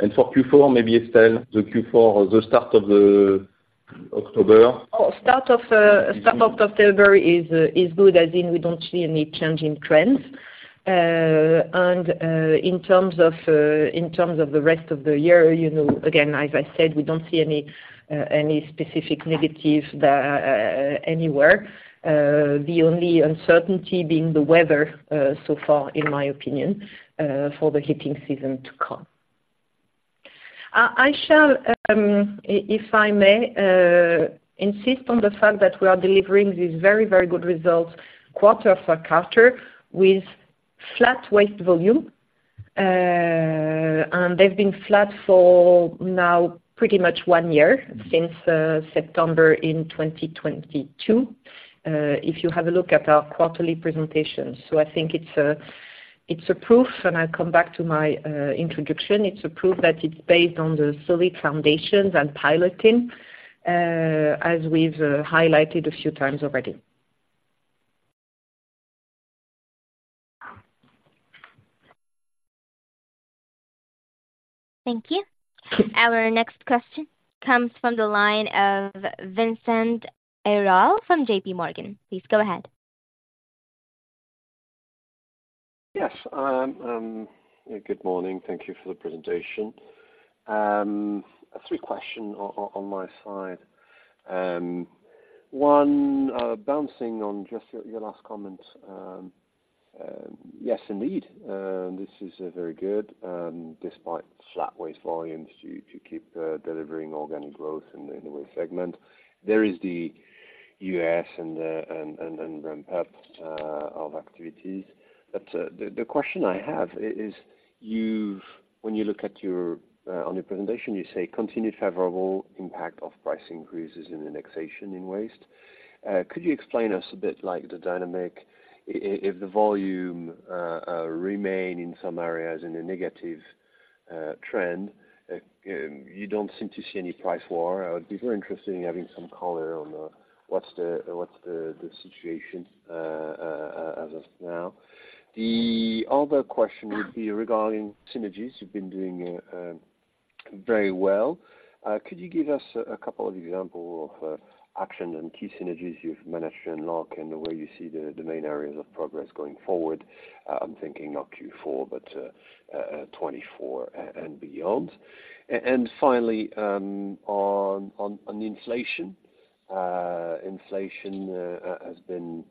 [SPEAKER 3] And for Q4, maybe Estelle, the Q4, the start of October?
[SPEAKER 2] Oh, start of October is good, as in we don't see any change in trends. And in terms of the rest of the year, you know, again, as I said, we don't see any specific negatives there, anywhere. The only uncertainty being the weather, so far, in my opinion, for the heating season to come. I shall, if I may, insist on the fact that we are delivering these very, very good results quarter for quarter with flat waste volume. And they've been flat for now pretty much one year, since September in 2022. If you have a look at our quarterly presentations. So I think it's a proof, and I'll come back to my introduction. It's a proof that it's based on the solid foundations and piloting, as we've highlighted a few times already.
[SPEAKER 1] Thank you. Our next question comes from the line of Vincent Ayral from JP Morgan. Please go ahead.
[SPEAKER 6] Yes, good morning. Thank you for the presentation. Three questions on my side. One, bouncing off just your last comment. Yes, indeed, this is very good, despite flat waste volumes to keep delivering organic growth in the waste segment. There is the U.S. and the ramp up of activities. But, the question I have is when you look at your presentation, you say continued favorable impact of price increases and indexation in waste. Could you explain to us a bit like the dynamics if the volumes remain in some areas in a negative trend? You don't seem to see any price war. I would be very interested in having some color on what's the situation as of now? The other question would be regarding synergies. You've been doing very well. Could you give us a couple of example of actions and key synergies you've managed to unlock, and the way you see the main areas of progress going forward? I'm thinking not Q4, but 2024 and beyond. And finally, on inflation. Inflation has been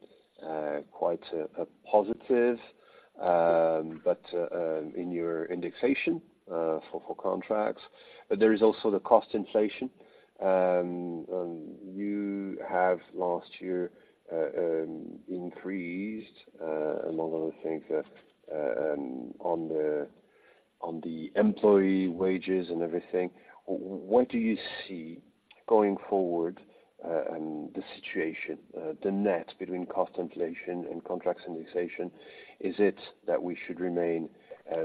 [SPEAKER 6] quite a positive, but in your indexation for contracts, but there is also the cost inflation. You have last year increased, among other things, on the...... On the employee wages and everything, what do you see going forward, and the situation, the net between cost inflation and contracts indexation? Is it that we should remain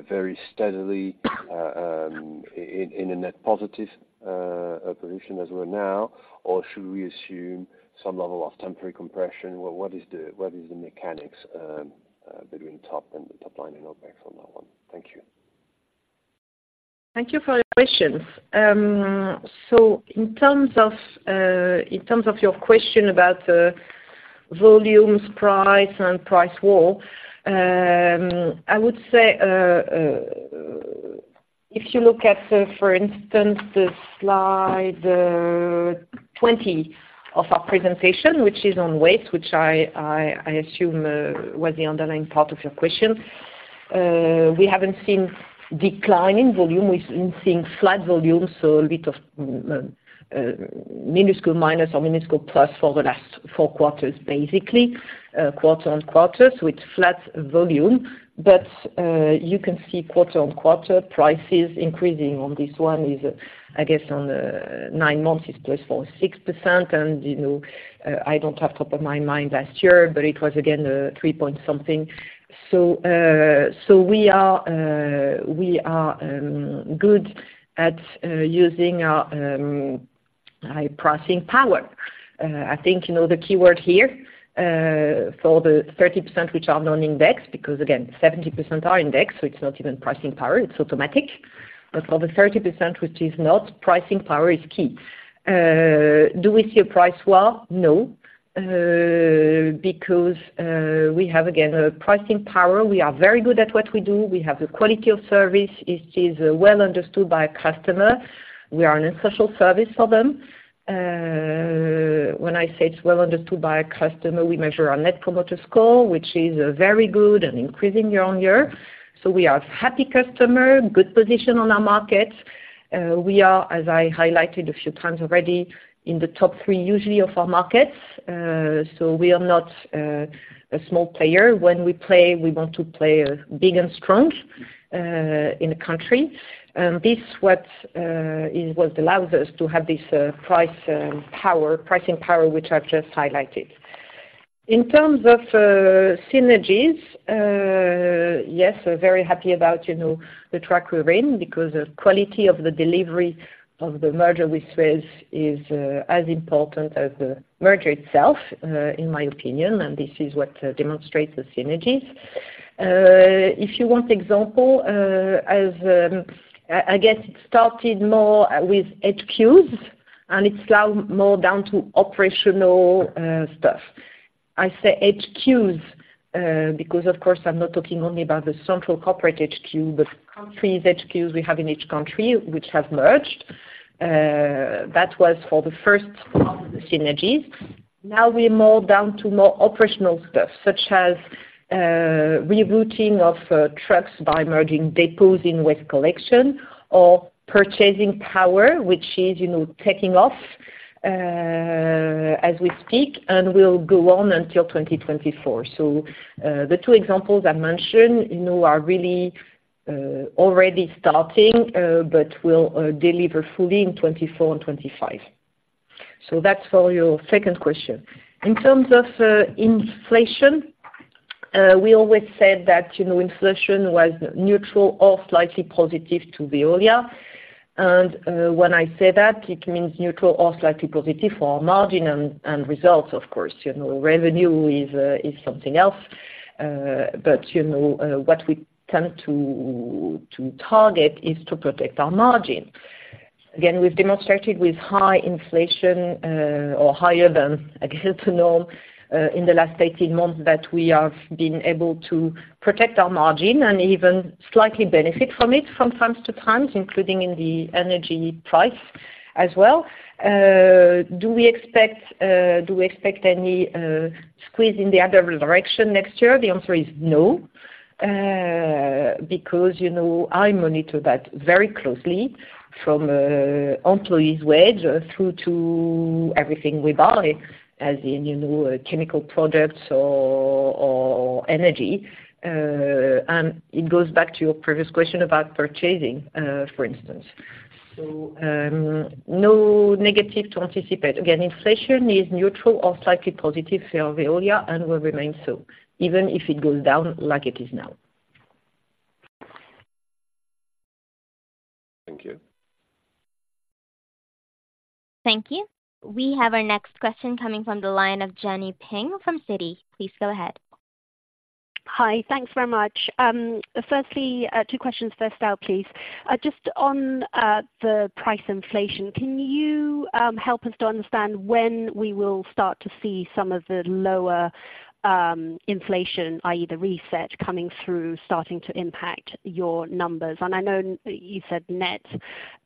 [SPEAKER 6] very steadily in a net positive position as we are now, or should we assume some level of temporary compression? What is the mechanics between top and the top line and OpEx on that one? Thank you.
[SPEAKER 2] Thank you for your questions. So in terms of your question about the volumes, price, and price wall, I would say, if you look at, for instance, the slide 20 of our presentation, which is on waste, which I assume was the underlying part of your question. We haven't seen decline in volume. We've been seeing flat volumes, so a bit of minuscule minus or minuscule plus for the last four quarters, basically, quarter-on-quarter, so it's flat volume. But you can see quarter-on-quarter prices increasing on this one is, I guess, on nine months is +4% or +6%, and, you know, I don't have top of my mind last year, but it was again three point something. So, so we are good at using our high pricing power. I think, you know, the key word here for the 30%, which are non-index, because again, 70% are index, so it's not even pricing power, it's automatic. But for the 30%, which is not, pricing power is key. Do we see a price war? No, because we have, again, a pricing power. We are very good at what we do. We have the quality of service. It is well understood by our customer. We are an essential service for them. When I say it's well understood by our customer, we measure our Net Promoter Score, which is very good and increasing year-on-year. So we are happy customer, good position on our market. We are, as I highlighted a few times already, in the top three, usually of our markets, so we are not a small player. When we play, we want to play big and strong in the country. And this what is what allows us to have this price power, pricing power, which I've just highlighted. In terms of synergies, yes, we're very happy about, you know, the track we're in because the quality of the delivery of the merger with SUEZ is as important as the merger itself in my opinion, and this is what demonstrates the synergies. If you want example, as I guess it started more with HQs, and it's now more down to operational stuff. I say HQs, because of course, I'm not talking only about the central corporate HQ, but countries HQs we have in each country which have merged. That was for the first part of the synergies. Now we're more down to more operational stuff, such as rerouting of trucks by merging depots in waste collection or purchasing power, which is, you know, taking off, as we speak, and will go on until 2024. So, the two examples I mentioned, you know, are really already starting, but will deliver fully in 2024 and 2025. So that's for your second question. In terms of inflation, we always said that, you know, inflation was neutral or slightly positive to Veolia. And, when I say that, it means neutral or slightly positive for our margin and results, of course, you know, revenue is something else. But, you know, what we tend to target is to protect our margin. Again, we've demonstrated with high inflation, or higher than, I guess, the norm, in the last 18 months, that we have been able to protect our margin and even slightly benefit from it from time to time, including in the energy price as well. Do we expect any squeeze in the other direction next year? The answer is no. Because, you know, I monitor that very closely from employees' wage through to everything we buy, as in, you know, chemical products or energy, and it goes back to your previous question about purchasing, for instance. So, no negative to anticipate. Again, inflation is neutral or slightly positive for Veolia and will remain so, even if it goes down like it is now.
[SPEAKER 6] Thank you.
[SPEAKER 1] Thank you. We have our next question coming from the line of Jenny Ping from Citi. Please go ahead.
[SPEAKER 7] Hi, thanks very much. Firstly, two questions. First out, please, just on the price inflation, can you help us to understand when we will start to see some of the lower inflation, i.e. the reset coming through, starting to impact your numbers? And I know you said net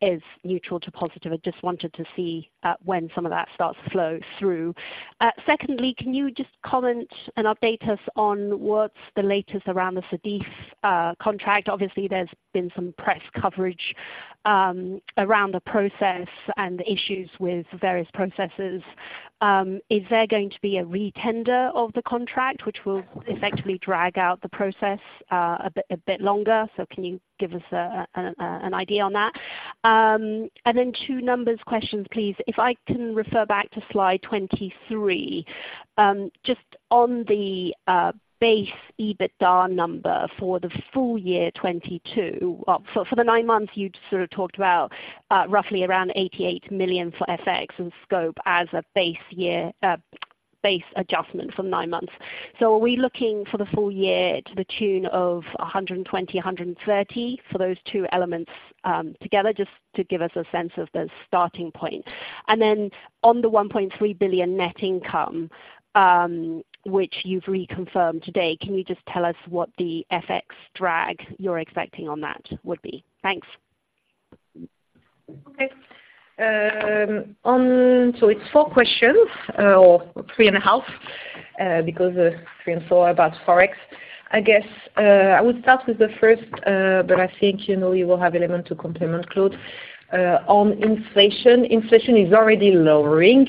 [SPEAKER 7] is neutral to positive. I just wanted to see when some of that starts to flow through. Secondly, can you just comment and update us on what's the latest around the SEDIF contract? Obviously, there's been some press coverage around the process and the issues with various processes. Is there going to be a re-tender of the contract, which will effectively drag out the process a bit, a bit longer? So can you give us an idea on that? And then two numbers questions, please. If I can refer back to slide 23, just on the base EBITDA number for the full year 2022. For the nine months, you sort of talked about roughly around 88 million for FX and scope as a base year base adjustment for nine months. So are we looking for the full year to the tune of 120 million-130 million for those two elements together? Just to give us a sense of the starting point. And then on the 1.3 billion net income, which you've reconfirmed today, can you just tell us what the FX drag you're expecting on that would be? Thanks.
[SPEAKER 2] Okay. On, so it's four questions, or three and a half, because three and four are about Forex. I guess, I would start with the first, but I think, you know, you will have element to complement Claude. On inflation, inflation is already lowering.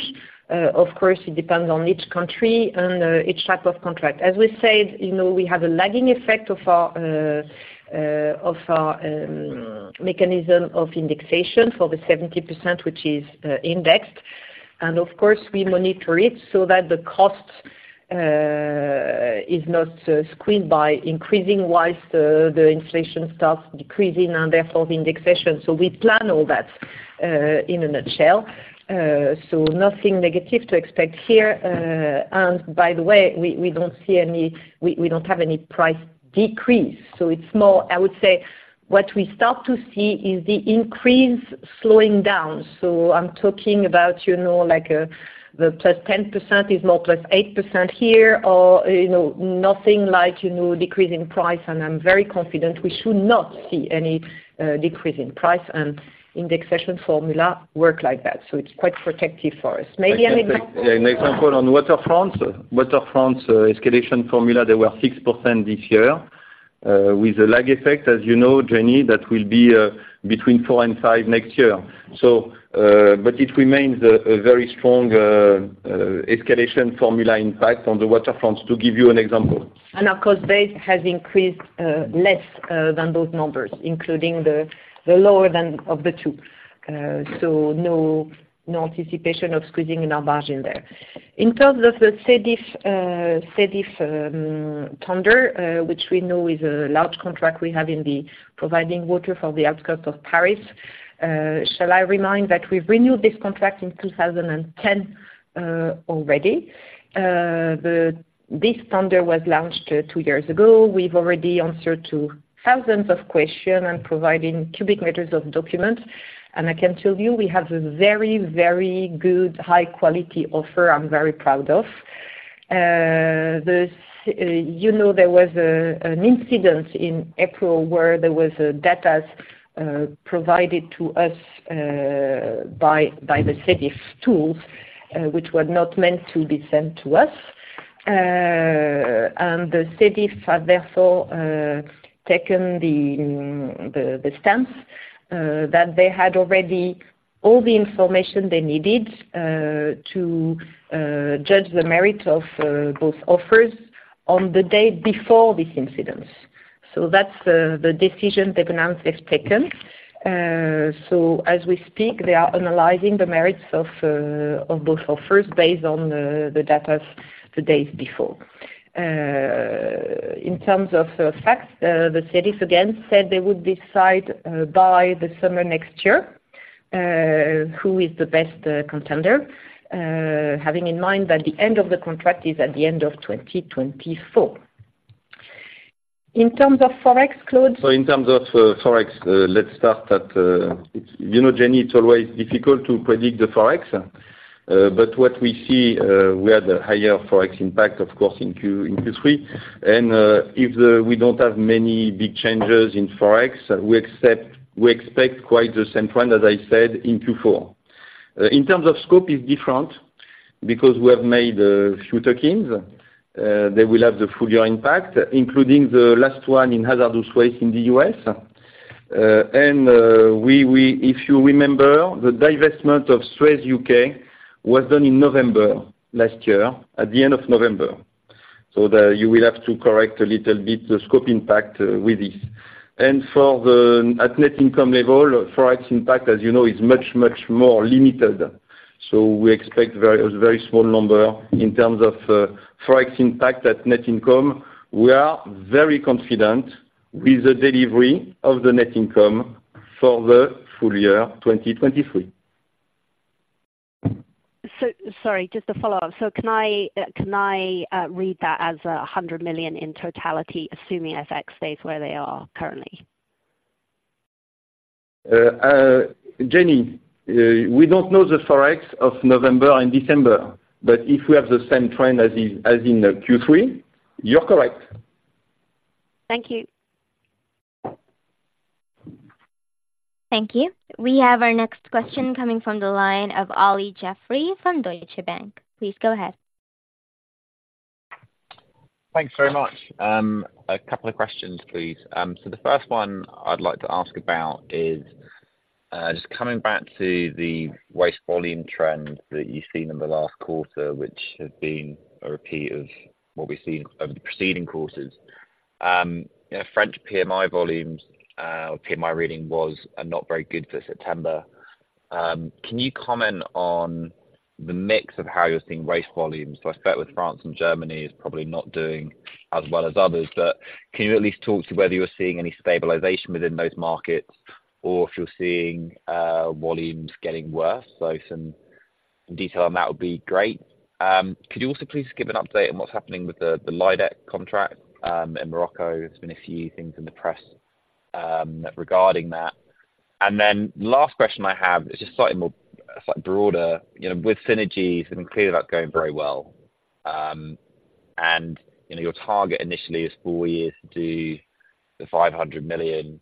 [SPEAKER 2] Of course, it depends on each country and each type of contract. As we said, you know, we have a lagging effect of our mechanism of indexation for the 70%, which is indexed. And of course, we monitor it so that the cost is not squeezed by increasing, whilst the inflation starts decreasing and therefore the indexation. So we plan all that, in a nutshell. So nothing negative to expect here. And by the way, we, we don't see any—we, we don't have any price decrease, so it's more... I would say what we start to see is the increase slowing down. So I'm talking about, you know, like, the +10% is more +8% here, or, you know, nothing like, you know, decreasing price. And I'm very confident we should not see any, decrease in price, and indexation formula work like that, so it's quite protective for us. Maybe an example?
[SPEAKER 3] Yeah, an example on Water France. Water France, escalation formula, they were 6% this year, with a lag effect. As you know, Jenny, that will be, between 4%-5% next year. So, but it remains a very strong, escalation formula impact on the Water France, to give you an example.
[SPEAKER 2] Our cost base has increased less than those numbers, including the lower of the two. So no anticipation of squeezing our margin there. In terms of the SEDIF tender, which we know is a large contract we have in providing water for the outskirts of Paris. Shall I remind that we've renewed this contract in 2010 already. This tender was launched two years ago. We've already answered to thousands of questions and providing cubic meters of documents, and I can tell you, we have a very, very good, high quality offer I'm very proud of. You know, there was an incident in April, where there was data provided to us by the SEDIF tools, which were not meant to be sent to us. And the SEDIF have therefore taken the stance that they had already all the information they needed to judge the merit of both offers on the day before this incident. So that's the decision they've announced they've taken. So as we speak, they are analyzing the merits of both offers based on the data the days before. In terms of facts, the SEDIF again said they would decide by the summer next year who is the best contender, having in mind that the end of the contract is at the end of 2024. In terms of Forex, Claude?
[SPEAKER 3] So in terms of Forex, let's start at, you know, Jenny, it's always difficult to predict the Forex, but what we see, we had a higher Forex impact, of course, in Q3. And if we don't have many big changes in Forex, we expect quite the same trend as I said in Q4. In terms of scope is different because we have made a few tuck-ins. They will have the full year impact, including the last one in hazardous waste in the U.S. And we, if you remember, the divestment of SUEZ UK was done in November last year, at the end of November. So you will have to correct a little bit the scope impact with this. For the at net income level, Forex impact, as you know, is much, much more limited. We expect very, a very small number in terms of, Forex impact at net income. We are very confident with the delivery of the net income for the full year 2023.
[SPEAKER 7] So sorry, just to follow up. So can I read that as 100 million in totality, assuming FX stays where they are currently?
[SPEAKER 3] Jenny, we don't know the Forex of November and December, but if we have the same trend as in Q3, you're correct.
[SPEAKER 7] Thank you.
[SPEAKER 1] Thank you. We have our next question coming from the line of Olly Jeffery from Deutsche Bank. Please go ahead....
[SPEAKER 8] Thanks very much. A couple of questions, please. So the first one I'd like to ask about is just coming back to the waste volume trend that you've seen in the last quarter, which has been a repeat of what we've seen over the preceding quarters. You know, French PMI volumes or PMI reading was not very good for September. Can you comment on the mix of how you're seeing waste volumes? So I suspect with France and Germany is probably not doing as well as others, but can you at least talk to whether you're seeing any stabilization within those markets or if you're seeing volumes getting worse? So some detail on that would be great. Could you also please give an update on what's happening with the Lydec contract in Morocco? There's been a few things in the press regarding that. And then last question I have is just slightly more, slightly broader. You know, with synergies, I mean, clearly that's going very well. And you know, your target initially is four years to do the 500 million.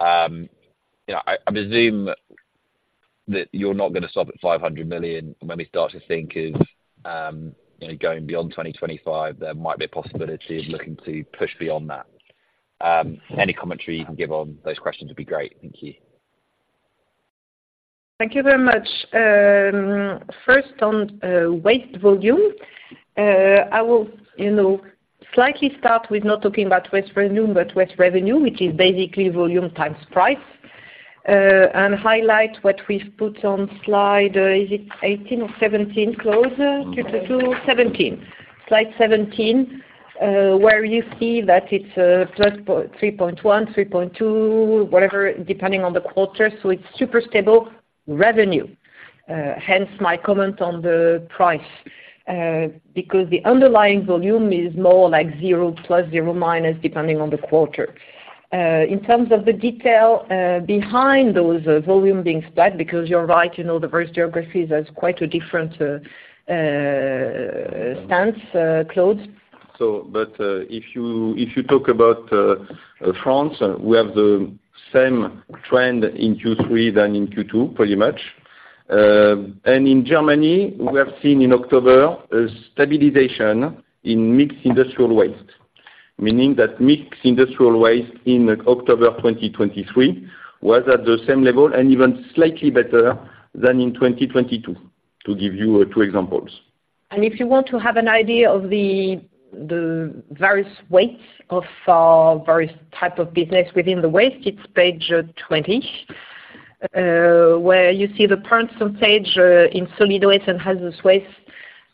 [SPEAKER 8] You know, I presume that you're not gonna stop at 500 million, and when we start to think of, you know, going beyond 2025, there might be a possibility of looking to push beyond that. Any commentary you can give on those questions would be great. Thank you.
[SPEAKER 2] Thank you very much. First on waste volume. I will, you know, slightly start with not talking about waste volume, but waste revenue, which is basically volume times price. And highlight what we've put on slide, is it 18 or 17, Claude? Q2 17. Slide 17, where you see that it's +3.1%, 3.2%, whatever, depending on the quarter. So it's super stable revenue, hence my comment on the price, because the underlying volume is more like 0+, 0-, depending on the quarter. In terms of the detail behind those volume being flat, because you're right, you know, the various geographies has quite a different stance, Claude.
[SPEAKER 3] So, but if you, if you talk about France, we have the same trend in Q3 than in Q2, pretty much. And in Germany, we have seen in October a stabilization in mixed industrial waste, meaning that mixed industrial waste in October 2023 was at the same level and even slightly better than in 2022, to give you two examples.
[SPEAKER 2] If you want to have an idea of the various weights of our various type of business within the waste, it's page 20, where you see the percentage in solid waste and hazardous waste,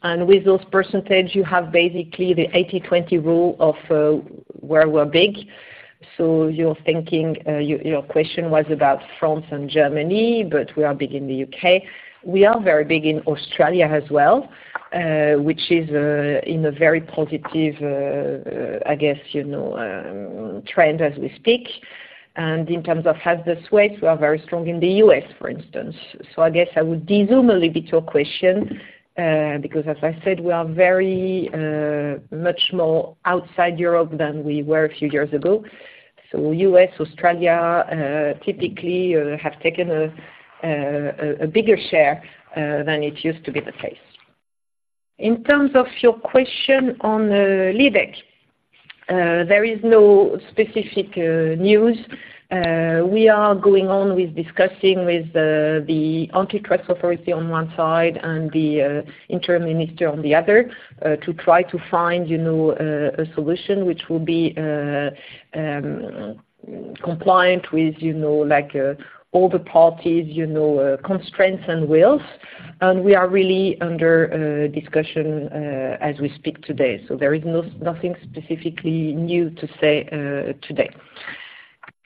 [SPEAKER 2] and with those percentage, you have basically the 80/20 rule of where we're big. So you're thinking your question was about France and Germany, but we are big in the U.K. We are very big in Australia as well, which is in a very positive, I guess, you know, trend as we speak. And in terms of hazardous waste, we are very strong in the U.S., for instance. So I guess I would dezoom a little bit to your question, because as I said, we are very much more outside Europe than we were a few years ago. So U.S., Australia, typically, have taken a bigger share than it used to be the case. In terms of your question on Lydec, there is no specific news. We are going on with discussing with the antitrust authority on one side and the interim minister on the other, to try to find, you know, a solution which will be compliant with, you know, like, all the parties, you know, constraints and wills. And we are really under discussion as we speak today. So there is nothing specifically new to say today.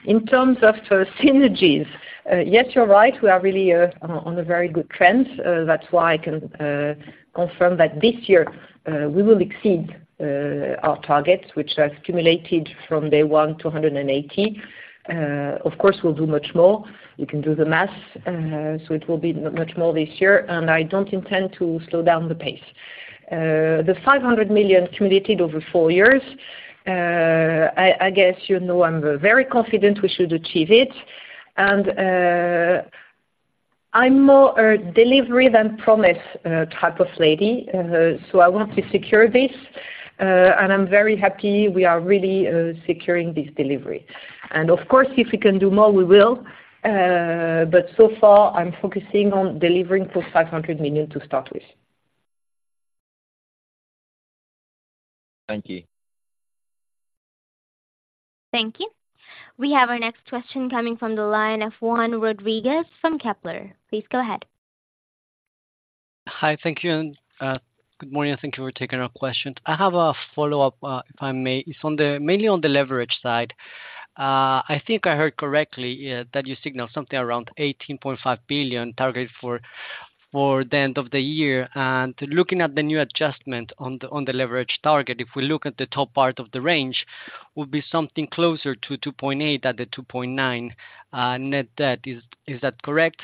[SPEAKER 2] In terms of synergies, yes, you're right. We are really on a very good trend. That's why I can confirm that this year we will exceed our targets, which are accumulated from day one to 180. Of course, we'll do much more. You can do the math, so it will be much more this year, and I don't intend to slow down the pace. The 500 million accumulated over four years, I guess, you know, I'm very confident we should achieve it, and I'm more a delivery than promise type of lady. So I want to secure this, and I'm very happy we are really securing this delivery. Of course, if we can do more, we will. But so far, I'm focusing on delivering those 500 million to start with.
[SPEAKER 8] Thank you.
[SPEAKER 1] Thank you. We have our next question coming from the line of Juan Rodriguez from Kepler. Please go ahead.
[SPEAKER 9] Hi. Thank you, and good morning. Thank you for taking our questions. I have a follow-up, if I may. It's mainly on the leverage side. I think I heard correctly that you signaled something around 18.5 billion target for the end of the year. And looking at the new adjustment on the leverage target, if we look at the top part of the range, would be something closer to 2.8x-2.9x net debt. Is that correct?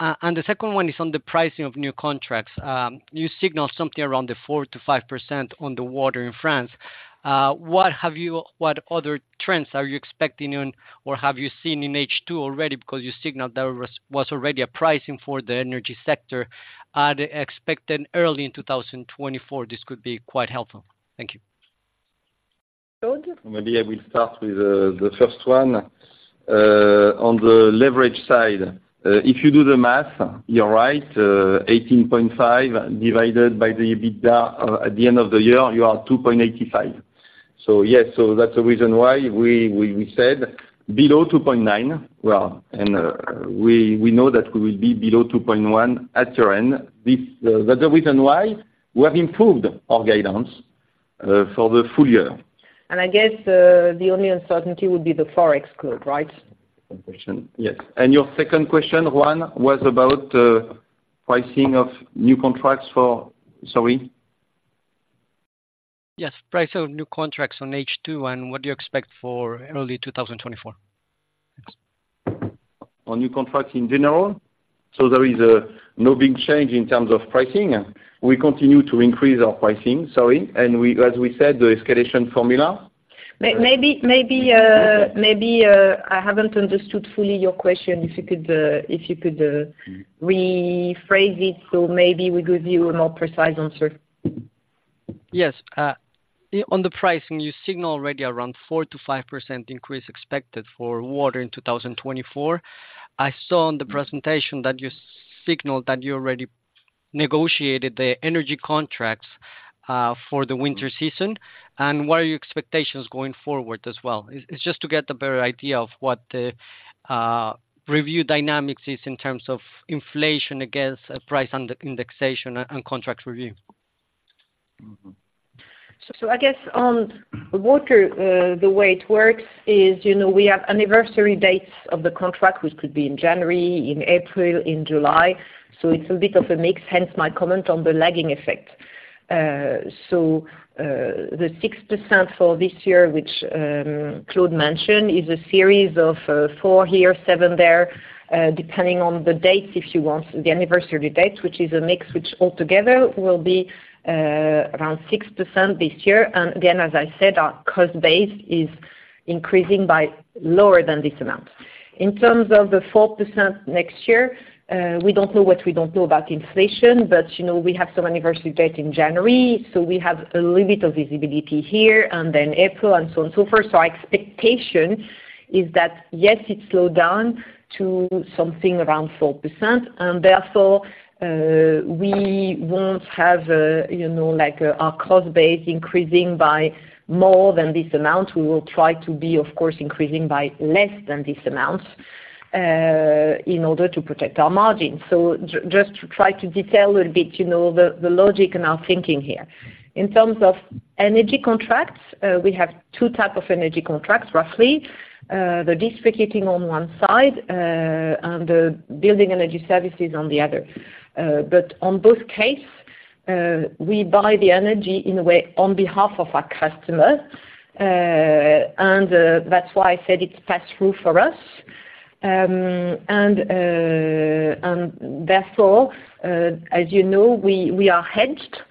[SPEAKER 9] And the second one is on the pricing of new contracts. You signaled something around 4%-5% on the water in France. What have you—what other trends are you expecting on or have you seen in H2 already? Because you signaled there was already a pricing for the energy sector and expected early in 2024, this could be quite helpful. Thank you....
[SPEAKER 3] Maybe I will start with, the first one. On the leverage side, if you do the math, you're right, 18.5 billion divided by the EBITDA at the end of the year, you are 2.85 billion. So yes, so that's the reason why we, we, we said below 2.9x. Well, and, we, we know that we will be below 2.1x at year-end. This, that's the reason why we have improved our guidance, for the full year.
[SPEAKER 2] I guess, the only uncertainty would be the Forex, Claude, right?
[SPEAKER 3] Good question. Yes. And your second question, Juan, was about pricing of new contracts for... Sorry?
[SPEAKER 9] Yes, pricing of new contracts in H2, and what do you expect for early 2024?
[SPEAKER 3] On new contracts in general? So there is no big change in terms of pricing. We continue to increase our pricing, sorry, and as we said, the escalation formula.
[SPEAKER 2] Maybe I haven't understood fully your question. If you could rephrase it, so maybe we give you a more precise answer.
[SPEAKER 9] Yes. On the pricing, you signal already around 4%-5% increase expected for water in 2024. I saw on the presentation that you signaled that you already negotiated the energy contracts for the winter season. And what are your expectations going forward as well? It's, it's just to get a better idea of what the review dynamics is in terms of inflation against price under indexation and contract review.
[SPEAKER 3] Mm-hmm.
[SPEAKER 2] So, I guess on water, the way it works is, you know, we have anniversary dates of the contract, which could be in January, in April, in July. So it's a bit of a mix, hence my comment on the lagging effect. So, the 6% for this year, which, Claude mentioned, is a series of, 4% here, 7% there, depending on the date, if you want, the anniversary date, which is a mix, which altogether will be, around 6% this year. And again, as I said, our cost base is increasing by lower than this amount. In terms of the 4% next year, we don't know what we don't know about inflation, but, you know, we have some anniversary date in January, so we have a little bit of visibility here, and then April, and so on, so forth. So our expectation is that, yes, it slowed down to something around 4%, and therefore, we won't have, you know, like, our cost base increasing by more than this amount. We will try to be, of course, increasing by less than this amount, in order to protect our margins. So just to try to detail a little bit, you know, the logic and our thinking here. In terms of energy contracts, we have two type of energy contracts, roughly. The district heating on one side, and the building energy services on the other. But on both case, we buy the energy in a way, on behalf of our customers, and, that's why I said it's pass-through for us. And therefore, as you know, we are hedged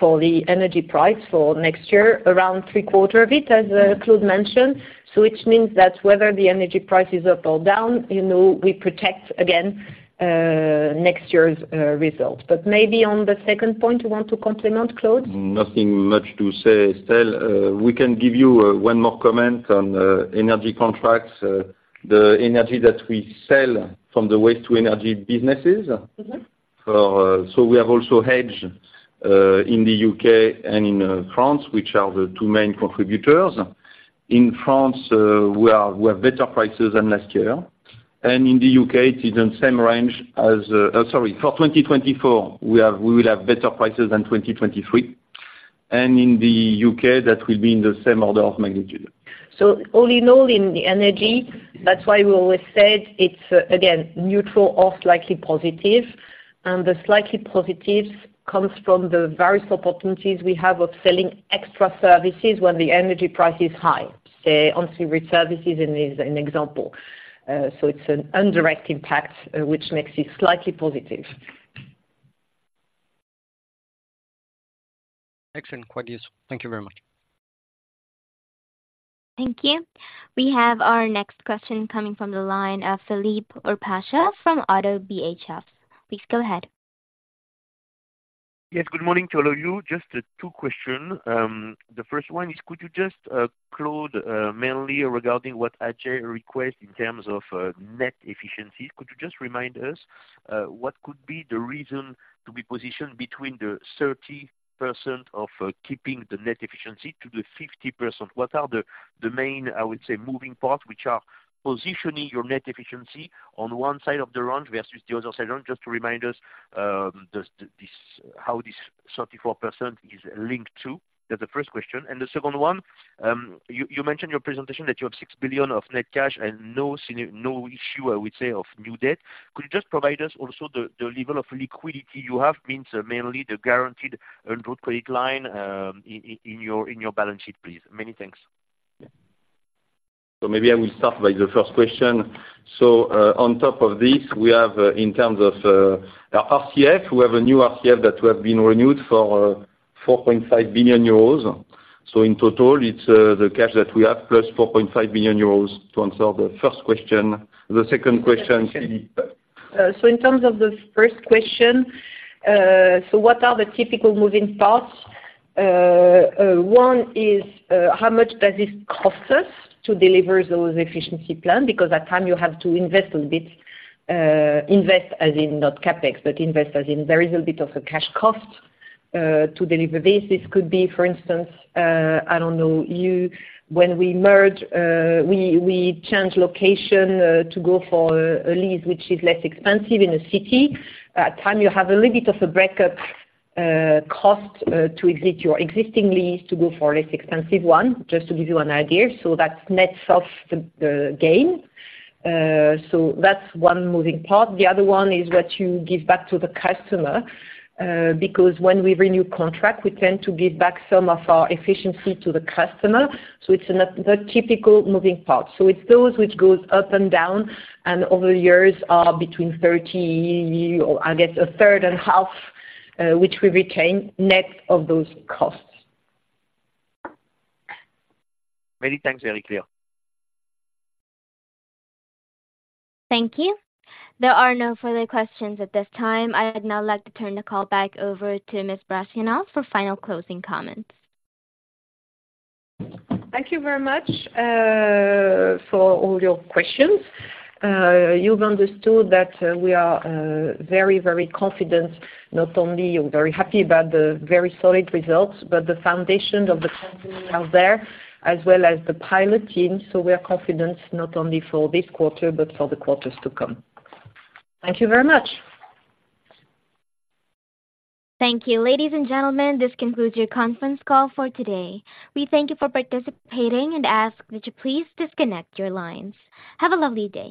[SPEAKER 2] for the energy price for next year, around three-quarters of it, as Claude mentioned. So which means that whether the energy price is up or down, you know, we protect against next year's results. But maybe on the second point, you want to comment, Claude?
[SPEAKER 3] Nothing much to say, Estelle. We can give you one more comment on energy contracts. The energy that we sell from the waste to energy businesses-
[SPEAKER 2] Mm-hmm.
[SPEAKER 3] So we have also hedged in the U.K. and in France, which are the two main contributors. In France, we are, we have better prices than last year, and in the U.K., it is in same range as for 2024, we will have better prices than 2023, and in the U.K., that will be in the same order of magnitude.
[SPEAKER 2] So all in all, in the energy, that's why we always said it's, again, neutral or slightly positive. And the slightly positive comes from the various opportunities we have of selling extra services when the energy price is high, say, on C&I waste services in U.S. is an example. So it's an indirect impact, which makes it slightly positive.
[SPEAKER 9] Excellent. Quite useful. Thank you very much.
[SPEAKER 1] Thank you. We have our next question coming from the line of Philippe Ourpatian from ODDO BHF. Please go ahead.
[SPEAKER 10] Yes, good morning to all of you. Just two question. The first one is, could you just, Claude, mainly regarding what Ajay request in terms of net efficiency, could you just remind us what could be the reason to be positioned between the 30% of keeping the net efficiency to the 50%? What are the main, I would say, moving parts which are positioning your net efficiency on one side of the range versus the other side of range, just to remind us this how this 34% is linked to? That's the first question. And the second one, you mentioned in your presentation that you have 6 billion of net cash and no seni- no issue, I would say, of new debt. Could you just provide us also the level of liquidity you have, so mainly the guaranteed undrawn credit line in your balance sheet, please? Many thanks.
[SPEAKER 3] Maybe I will start by the first question. On top of this, we have, in terms of, our RCF, we have a new RCF that we have been renewed for 4.5 billion euros. In total, it's, the cash that we have, plus 4.5 billion euros to answer the first question. The second question-...
[SPEAKER 2] So in terms of the first question, so what are the typical moving parts? One is, how much does it cost us to deliver those efficiency plan? Because at times you have to invest a little bit, invest as in not CapEx, but invest as in there is a bit of a cash cost, to deliver this. This could be, for instance, I don't know, you know, when we merge, we change location, to go for a lease which is less expensive in a city. At times, you have a little bit of a breakup cost, to exit your existing lease to go for a less expensive one, just to give you an idea. So that nets off the gain. So that's one moving part. The other one is what you give back to the customer, because when we renew contract, we tend to give back some of our efficiency to the customer, so it's the typical moving part. So it's those which goes up and down, and over the years are between 30 or I guess, a third and half, which we retain net of those costs.
[SPEAKER 10] Many thanks. Very clear.
[SPEAKER 1] Thank you. There are no further questions at this time. I would now like to turn the call back over to Ms. Brachlianoff for final closing comments.
[SPEAKER 2] Thank you very much, for all your questions. You've understood that, we are, very, very confident, not only very happy about the very solid results, but the foundation of the company out there, as well as the pilot team. So we are confident not only for this quarter, but for the quarters to come. Thank you very much.
[SPEAKER 1] Thank you. Ladies and gentlemen, this concludes your conference call for today. We thank you for participating and ask that you please disconnect your lines. Have a lovely day.